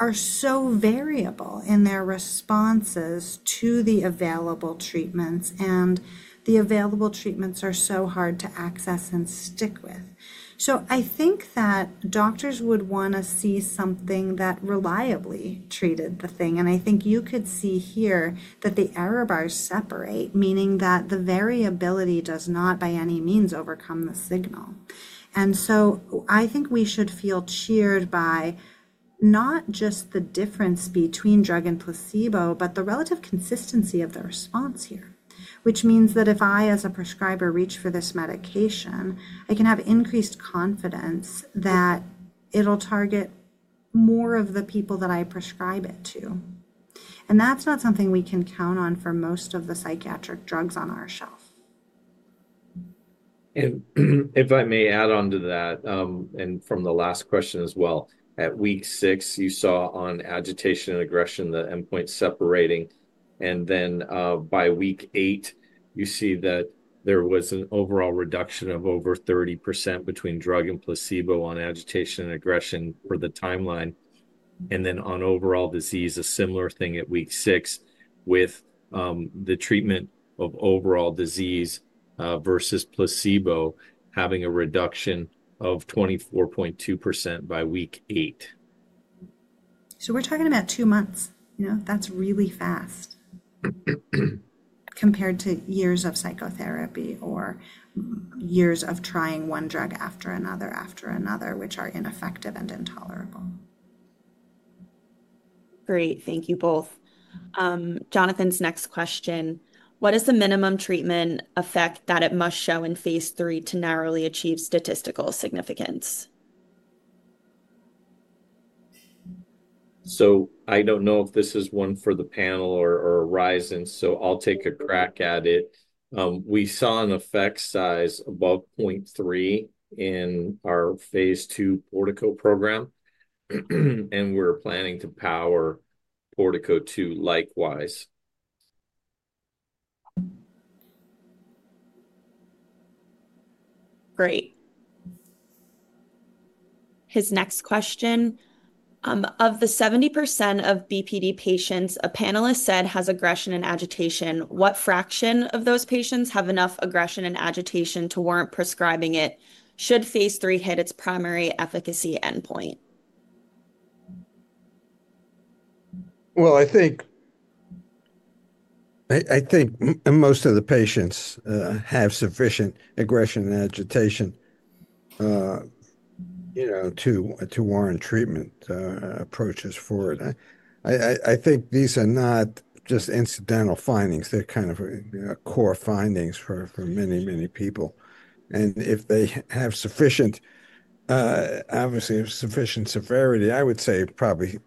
are so variable in their responses to the available treatments, and the available treatments are so hard to access and stick with. I think that doctors would want to see something that reliably treated the thing. I think you could see here that the error bars separate, meaning that the variability does not by any means overcome a signal. I think we should feel cheered by not just the difference between drug and placebo, but the relative consistency of the response here, which means that if I, as a prescriber, reach for this medication, I can have increased confidence that it'll target more of the people that I prescribe it to. That's not something we can count on for most of the psychiatric drugs on our shelves. If I may add on to that and from the last question as well, at week six, you saw on agitation and aggression, the endpoint separating. By week eight, you see that there was an overall reduction of over 30% between drug and placebo on agitation and aggression for the timeline. On overall disease, a similar thing at week six with the treatment of overall disease versus placebo having a reduction of 24.2% by week eight. We're talking about two months. You know, that's really fast compared to years of psychotherapy or years of trying one drug after another after another, which are ineffective and intolerable. Great. Thank you both. Jonathan's next question. What is the minimum treatment effect that it must show in Phase III to narrowly achieve statistical significance? I don't know if this is one for the panel or Oryzon, so I'll take a crack at it. We saw an effect size above 0.23 in our Phase II-B PORTICO program, and we're planning to power PORTICO 2 likewise. Great. His next question. Of the 70% of BPD patients, a panelist said, has aggression and agitation, what fraction of those patients have enough aggression and agitation to warrant prescribing it? Should Phase III hit its primary efficacy endpoint? Well. I think most of the patients have sufficient aggression and agitation. You know. To warrant treatment approaches for it. I think these are not just incidental findings. They're kind of core findings for many, many people. If they have sufficient, obviously sufficient severity, I would say probably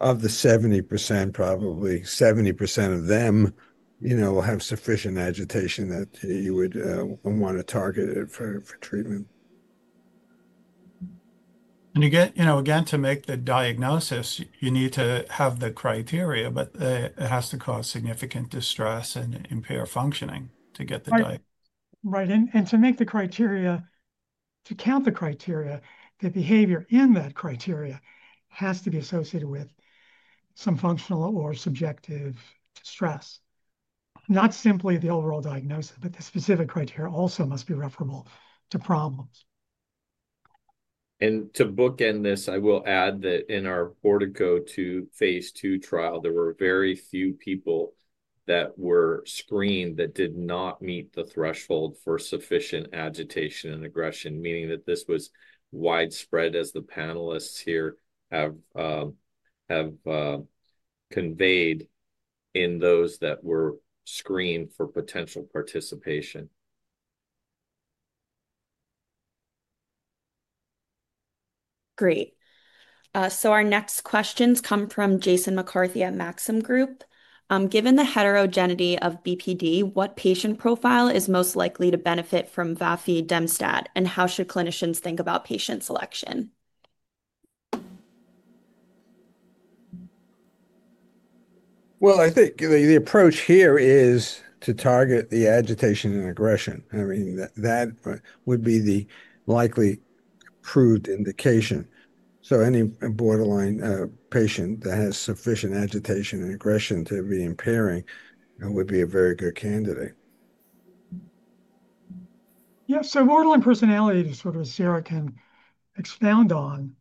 of the 70%, probably 70% of them have sufficient agitation that you would want to target it for treatment. To make the diagnosis, you need to have the criteria, but it has to cause significant distress and impair functioning to get the diagnosis right. To make the criteria, to count the criteria, the behavior in that criteria has to be associated with some functional or subjective stress, not simply the overall diagnosis. The specific criteria also must be referable to problems. To bookend this, I will add that in our PORTICO 2 Phase II trial, there were very few people that were screened that did not meet the threshold for sufficient agitation and aggression, meaning that this was widespread, as the panelists here have conveyed, in those that were screened for potential participation. Great. Our next questions come from Jason McCarthy at Maxim Group. Given the heterogeneity of BPD, what patient profile is most likely to benefit from Vafidemstat, and how should clinicians think about patient selection? I think the approach here is to target the agitation and aggression. I mean, that would be the likely proved indication. Any borderline patient that has sufficient agitation and aggression to be impairing would be a very good candidate. Yes. Mortal impersonality, as Sarah can expound on,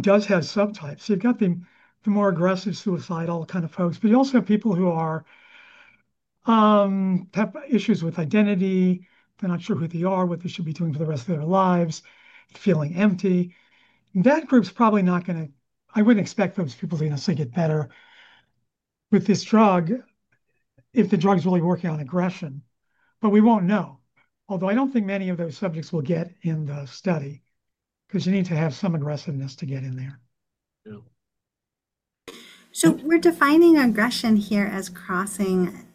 does have subtypes. You've got the more aggressive, suicidal kind of folks, but you also have people who have issues with identity. They're not sure who they are, what they should be doing for the rest of their lives, feeling empty. That group's probably not going to—I wouldn't expect those people to get better with this drug if the drug's really working on aggression. We won't know. Although I don't think many of those subjects will get in the study because you need to have some aggressiveness to get in there. We're defining aggression here as crossing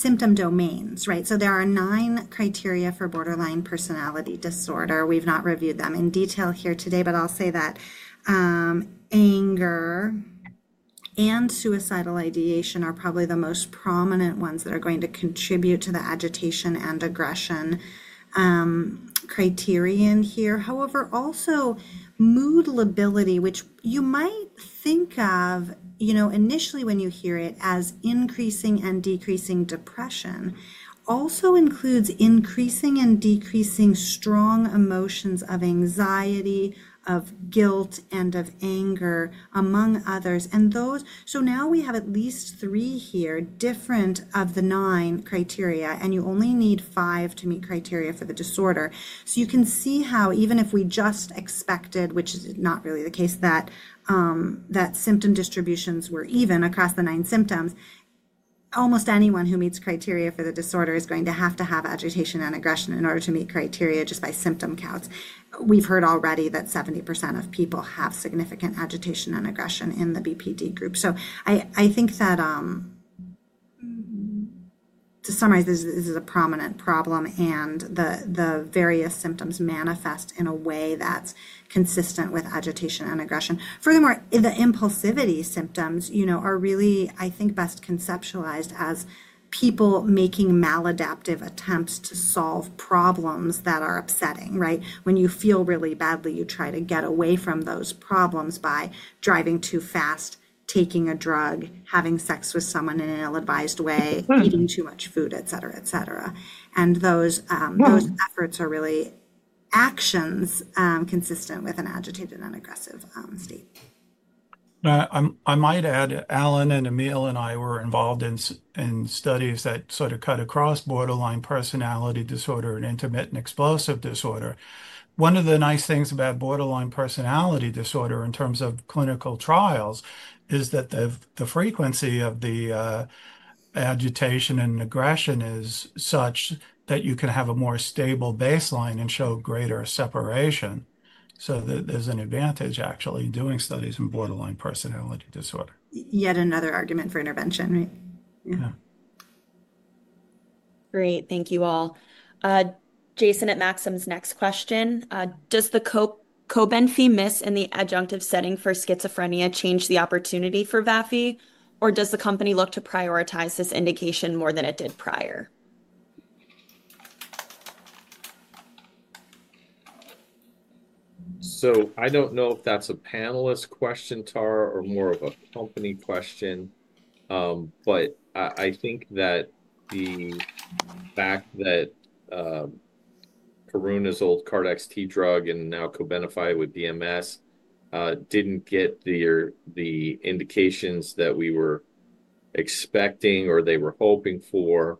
symptom domains. There are nine criteria for borderline personality disorder. We've not reviewed them in detail here today, but I'll say that anger and suicidal ideation are probably the most prominent ones that are going to contribute to the agitation and aggression criterion here. However, mood lability, which you might think of initially when you hear it as increasing and decreasing depression, also includes increasing and decreasing strong emotions of anxiety, of guilt, and of anger, among others. Now we have at least three different of the nine criteria, and you only need five to meet criteria for the disorder. You can see how, even if we just expected, which is not really the case, that symptom distributions were even across the nine symptoms, almost anyone who meets criteria for the disorder is going to have to have agitation and aggression in order to meet criteria just by symptom counts. We've heard already that 70% of people have significant agitation, agitation and aggression in the BPD group. To summarize, this is a prominent problem and the various symptoms manifest in a way that's consistent with agitation and aggression. Furthermore, the impulsivity symptoms are really, I think, best conceptualized as people making maladaptive attempts to solve problems that are upsetting. When you feel really badly, you try to get away from those problems by driving too fast, taking a drug, having sex with someone in an ill-advised way, eating too much food, et cetera, et cetera. Those efforts are really actions consistent with an agitated and aggressive state, I might add. Alan and Emil and I were involved in studies that sort of cut across borderline personality disorder and intermittent explosive disorder. One of the nice things about borderline personality disorder in terms of clinical trials is that the frequency of the agitation and aggression is such that you can have a more stable baseline and show greater separation. There's an advantage actually doing studies in borderline personality disorder. Yet another argument for intervention, right. Yeah. Great. Thank you all. Jason at Maxim's next question. Does the COBENFY miss in the adjunctive setting for schizophrenia change the opportunity for vafi or does the company look to prioritize this indication more than it did prior? I don't know if that's a panelist question, Tara, or more of a company question, but I think that the fact that Karuna's old KarXT drug and now COBENFY with BMS didn't get the indications that we were expecting or they were hoping for,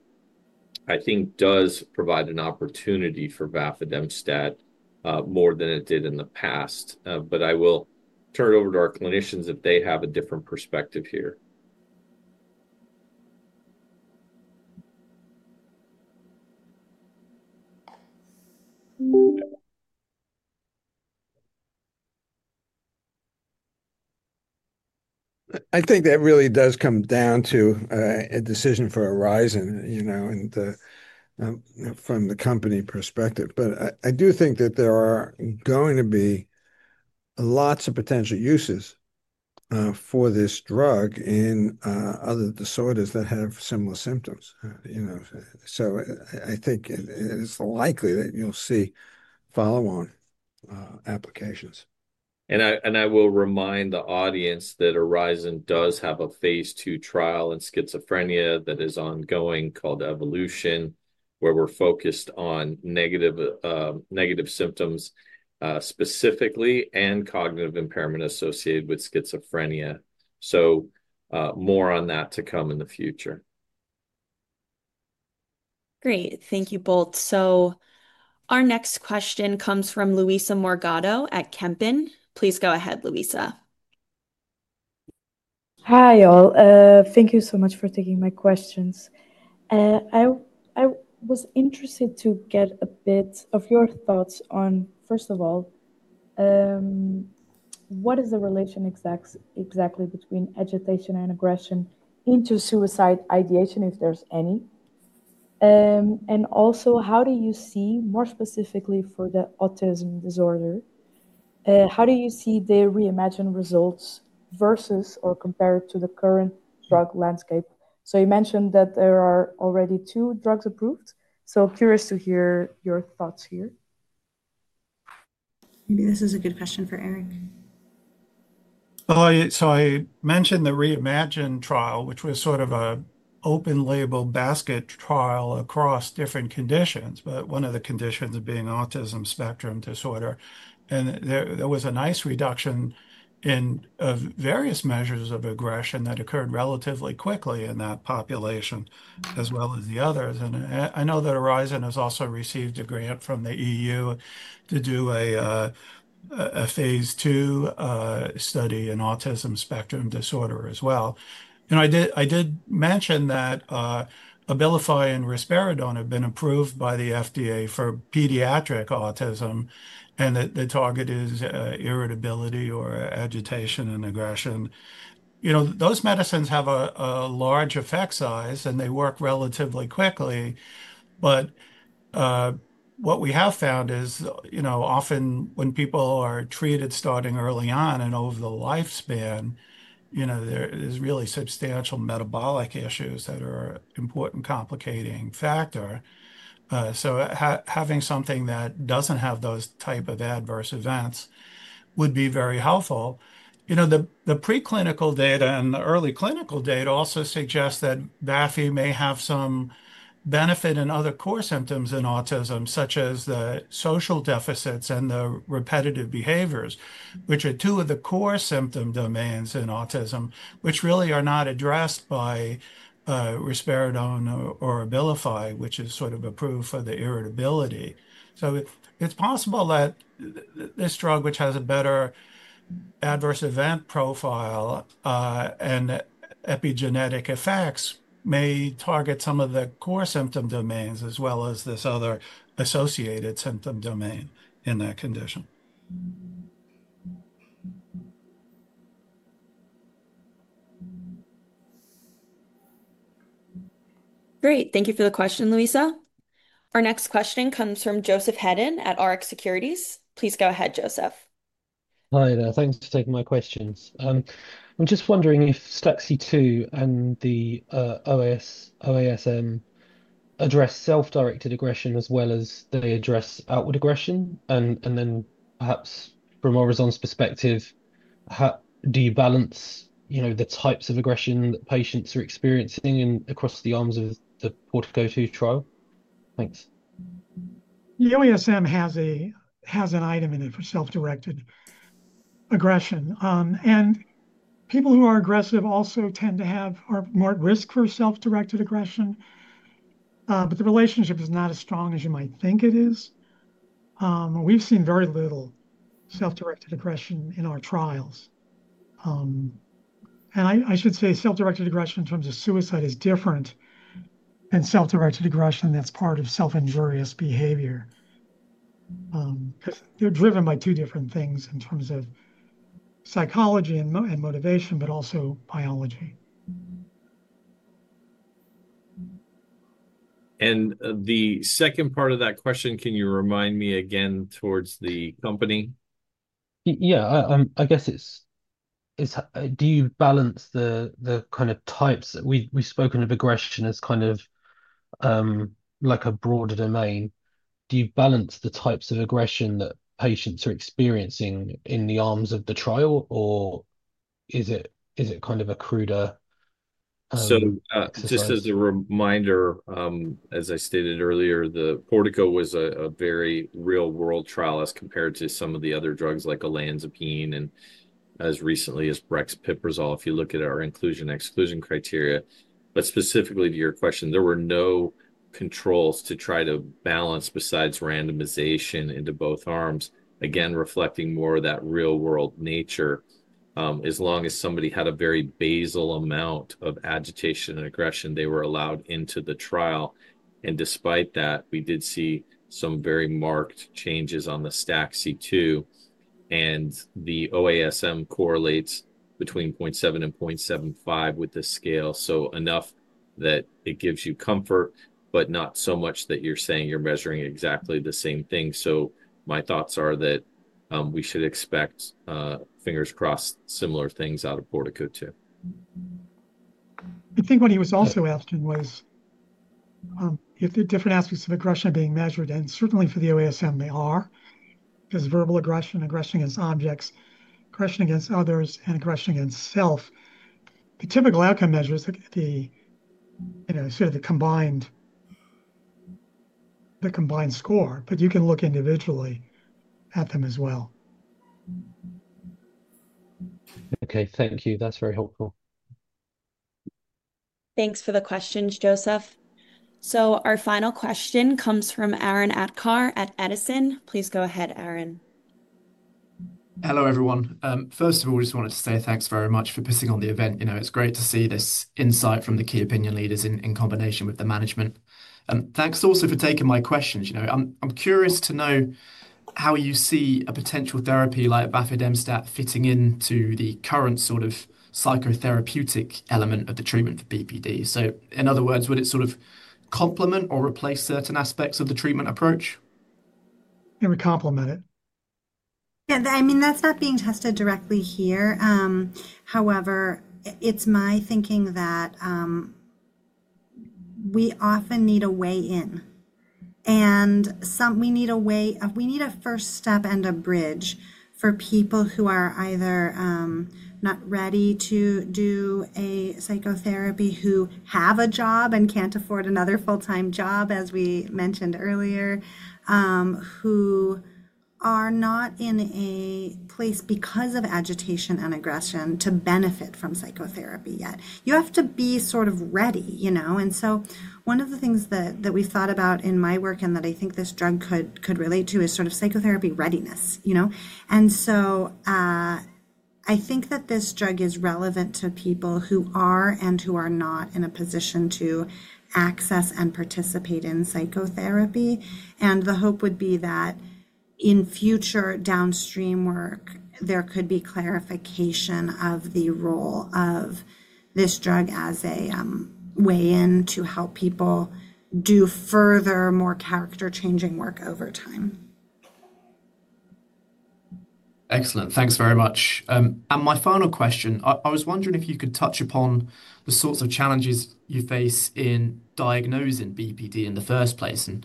I think does provide an opportunity for Vafidemstat more than it did in the past. I will turn it over to our clinicians if they have a different perspective here. I think that really does come down to a decision for Oryzon, you know, from the company perspective. I do think that there are going to be lots of potential uses for this drug in other disorders that have similar symptoms, you know, I think it's likely that you'll see follow on applications. And I will remind the audience that Oryzon does have a Phase II trial in schizophrenia that is ongoing called Evolution, where we're focused on negative symptoms specifically and cognitive impairment associated with schizophrenia. More on that to come in the future. Great. Thank you both. Our next question comes from Luisa Morgado at Kempen. Please go ahead, Luisa. Hi all, thank you so much for taking my questions. I was interested to get a bit of your thoughts on, first of all. What is the relation exactly between agitation and aggression into suicide Ideation, if there's any. How do you see more specifically for the autism disorder, how do you see the Reimagine results versus or compare it to the current drug landscape. You mentioned that there are already two drugs approved. Curious to hear your thoughts here. Maybe this is a good question for Dr. Eric Hollander. I mentioned the Reimagine trial, which was sort of an open-label basket trial across different conditions, one of the conditions being autism spectrum disorder. There was a nice reduction in various measures of aggression that occurred relatively quickly in that population as well as the others. I know that Oryzon has also received a grant from the EU to do a Phase II study in autism spectrum disorder as well. I did mention that Abilify and Risperidone have been approved by the FDA for pediatric autism, and the target is irritability or agitation and aggression. Those medicines have a large effect size and they work relatively quickly. What we have found is, often when people are treated starting early on and over the lifespan, there's really substantial metabolic issues that are an important complicating factor. Having something that doesn't have those types of adverse events would be very helpful. The preclinical data and the early clinical data also suggest that Vafidemstat may have some benefit in other core symptoms in autism, such as the social deficits and the repetitive behaviors, which are two of the core symptom domains in autism that really are not addressed by Risperidone or Abilify, which is sort of a proof of the irritability. It's possible that this drug, which has a better adverse event profile and epigenetic effects, may target some of the core symptom domains as well as this other associated symptom domain in that condition. Great, thank you for the question, Luisa. Our next question comes from Joseph Hedden at Rx Securities. Please go ahead, Joseph. Hi there. Thanks for taking my questions. I'm just wondering if STAXI-2 Trait Anger and the OASM address self-directed aggression as well as they address outward aggression. Perhaps from Oryzon's perspective, do you balance, you know, the types of aggression that patients are experiencing across the arms of the PORTICO 2 trial. Thanks. The OASM has an item in it for self directed aggression, and people who are aggressive also tend to have, are more at risk for self directed aggression, but the relationship is not as strong as you might think it is. We've seen very little self directed aggression in our trials. I should say self directed aggression in terms of suicide is different than self directed aggression that's part of self injurious behavior because they're driven by two different things in terms of psychology and motivation, but also biology. The second part of that question, can you remind me again towards the company? Yeah, I guess. Do you balance the kind of types, we've spoken of aggression as kind of like a broader domain. Do you balance the types of aggression that patients are experiencing in the arms of the trial, or is it kind of a cruder. Just as a reminder, as I stated earlier, the PORTICO was a very real world trial as compared to some of the other drugs like Olanzapine and as recently as Brexpiprazole. If you look at our inclusion exclusion criteria, but specifically to your question, there were no controls to try to balance besides randomization into both arms, again reflecting more of that real world nature. As long as somebody had a very basal amount of agitation and aggression, they were allowed into the trial. Despite that, we did see some very marked changes on the STAXI-2 Trait Anger. The OASM correlates between 0.7 and 0.75 with this scale, enough that it gives you comfort, but not so much that you're saying you're measuring exactly the same thing. My thoughts are that we should expect, fingers crossed, similar things out of PORTICO 2. I think what he was also asking was if the different aspects of aggression are being measured. Certainly for the OASM they are. There's verbal aggression, aggression against objects, aggression against others, and aggression against self. The typical outcome measures are the combined score, but you can look individually at them as well. Okay, thank you, that's very helpful. Thanks for the questions, Joseph. Our final question comes from Arron Aatkar at Edison. Please go ahead, Arron. Hello everyone. First of all, we just wanted to. Say thanks very much for putting on the event. You know, it's great to see this insight from the key opinion leaders in combination with the management. Thanks also for taking my questions. I'm curious to know how you see a potential therapy like Vafidemstat fitting into the current sort of psychotherapeutic element of the treatment for BPD. Would it sort of complement or replace certain aspects of the treatment approach? We complement it. Yeah. I mean that's not being tested directly here. However, it's my thinking that we often need a way in and we need a way of. We need a first step and a bridge for people who are either not ready to do a psychotherapy, who have a job and can't afford another full time job, as we mentioned earlier, who are not in a place because of agitation and aggression to benefit from psychotherapy yet. You have to be sort of ready, you know. One of the things that we thought about in my work and that I think this drug could relate to is sort of psychotherapy readiness, you know. I think that this drug is relevant to people who are and who are not in a position to access and participate in psychotherapy. The hope would be that in future downstream work there could be clarification of the role of this drug as a way in to help people do further more character changing work over time. Excellent, thanks very much. My final question, I was wondering if you could touch upon the sorts of challenges you face in diagnosing BPD in the first place, I'm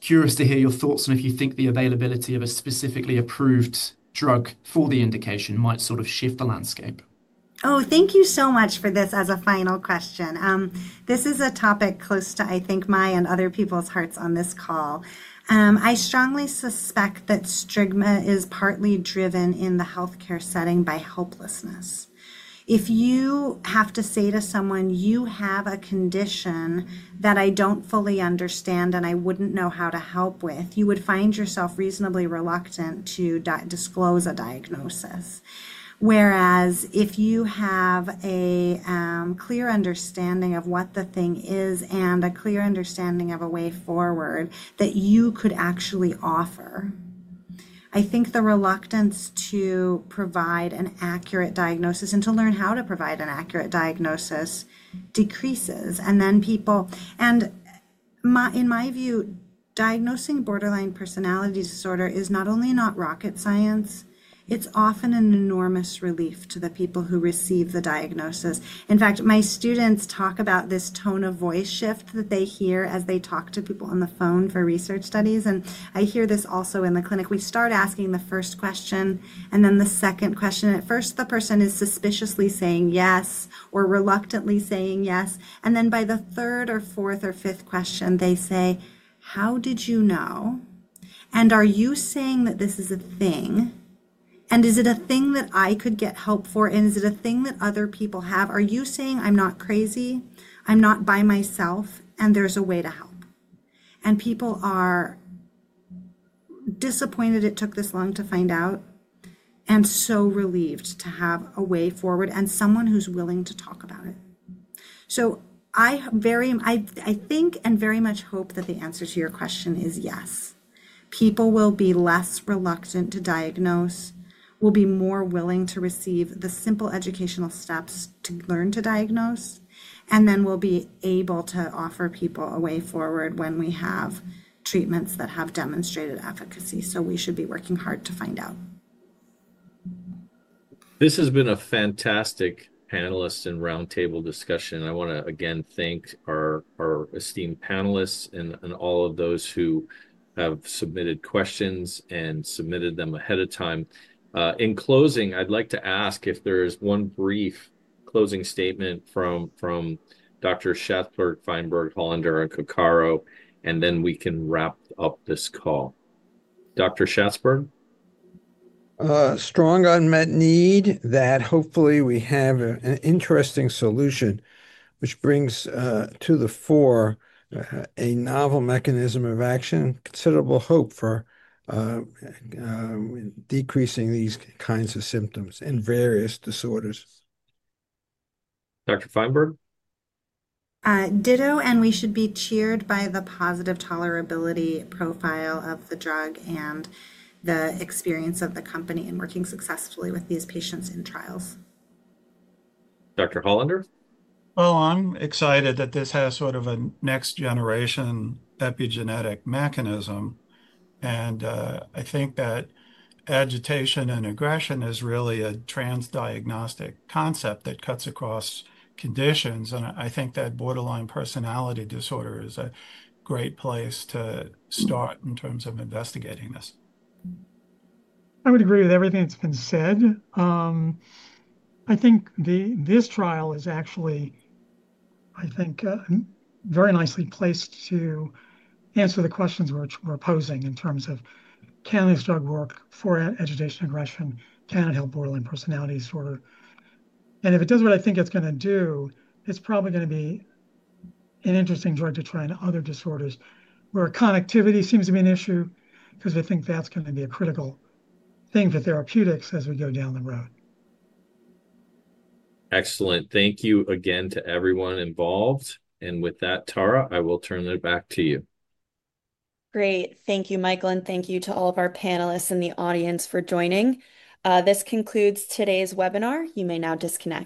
curious to hear your thoughts on if you think the availability of a specifically approved drug for the indication might sort of shift the landscape. Oh, thank you so much for this. As a final question, this is a topic close to, I think, my and other people's hearts on this call. I strongly suspect that stigma is partly driven in the healthcare setting by helplessness. If you have to say to someone you have a condition that I don't fully understand and I wouldn't know how to help with, you would find yourself reasonably reluctant to disclose a diagnosis. Whereas if you have a clear understanding of what the thing is and a clear understanding of a way forward that you could actually offer, I think the reluctance to provide an accurate diagnosis and to learn how to provide an accurate diagnosis decreases. In my view, diagnosing borderline personality disorder is not only not rocket science, it's often an enormous relief to the people who receive the diagnosis. In fact, my students talk about this tone of voice shift that they hear as they talk to people on the phone for research studies. I hear this also in the clinic. We start asking the first question and then the second question. At first the person is suspiciously saying yes or reluctantly saying yes. By the third or fourth or fifth question they say how did you know? Are you saying that this is a thing? Is it a thing that I could get help for and is it a thing that other people have? Are you saying I'm not crazy? I'm not by myself and there's a way to help. People are disappointed it took this long to find out and so relieved to have a way forward and someone who's willing to talk about it. I very much hope that the answer to your question is yes. People will be less reluctant to diagnose, will be more willing to receive the simple educational steps to learn to diagnose, and then will be able to offer people a way forward when we have treatments that have demonstrated efficacy. We should be working hard to find out. This has been a fantastic panelist and roundtable discussion. I want to again thank our esteemed panelists and all of those who have submitted questions and submitted them ahead of time. In closing, I'd like to ask if there is one brief closing statement from Dr. Schatzberg, Dr. Fineberg, Dr. Hollander, and Dr. Coccaro and then we can wrap up this call. Dr. Schatzberg? Strong unmet need that hopefully we have an interesting solution, which brings to the fore a novel mechanism of action, considerable hope for decreasing these kinds of symptoms in various disorders. Dr. Fineberg? We should be cheered by the positive tolerability profile of the drug and the experience of the company in working successfully with these patients in trials. Dr. Hollander? I'm excited that this has sort of a next generation epigenetic mechanism. I think that agitation and aggression is really a trans diagnostic concept that cuts across conditions. I think that borderline personality disorder is a great place to start in terms of investigating this. I would agree with everything that's been said. I think this trial is actually very nicely placed to answer the questions we're posing in terms of can this drug work for agitation, aggression, can it help borderline personality disorder? If it does what I think it's going to do, it's probably going to be an interesting drug to try in other disorders where connectivity seems to be an issue, because we think that's going to be a critical thing for therapeutics as we go down the road. Excellent. Thank you again to everyone involved. With that, Tara, I will turn it back to you. Great. Thank you, Michael. Thank you to all of our panelists in the audience for joining. This concludes today's webinar. You may now disconnect.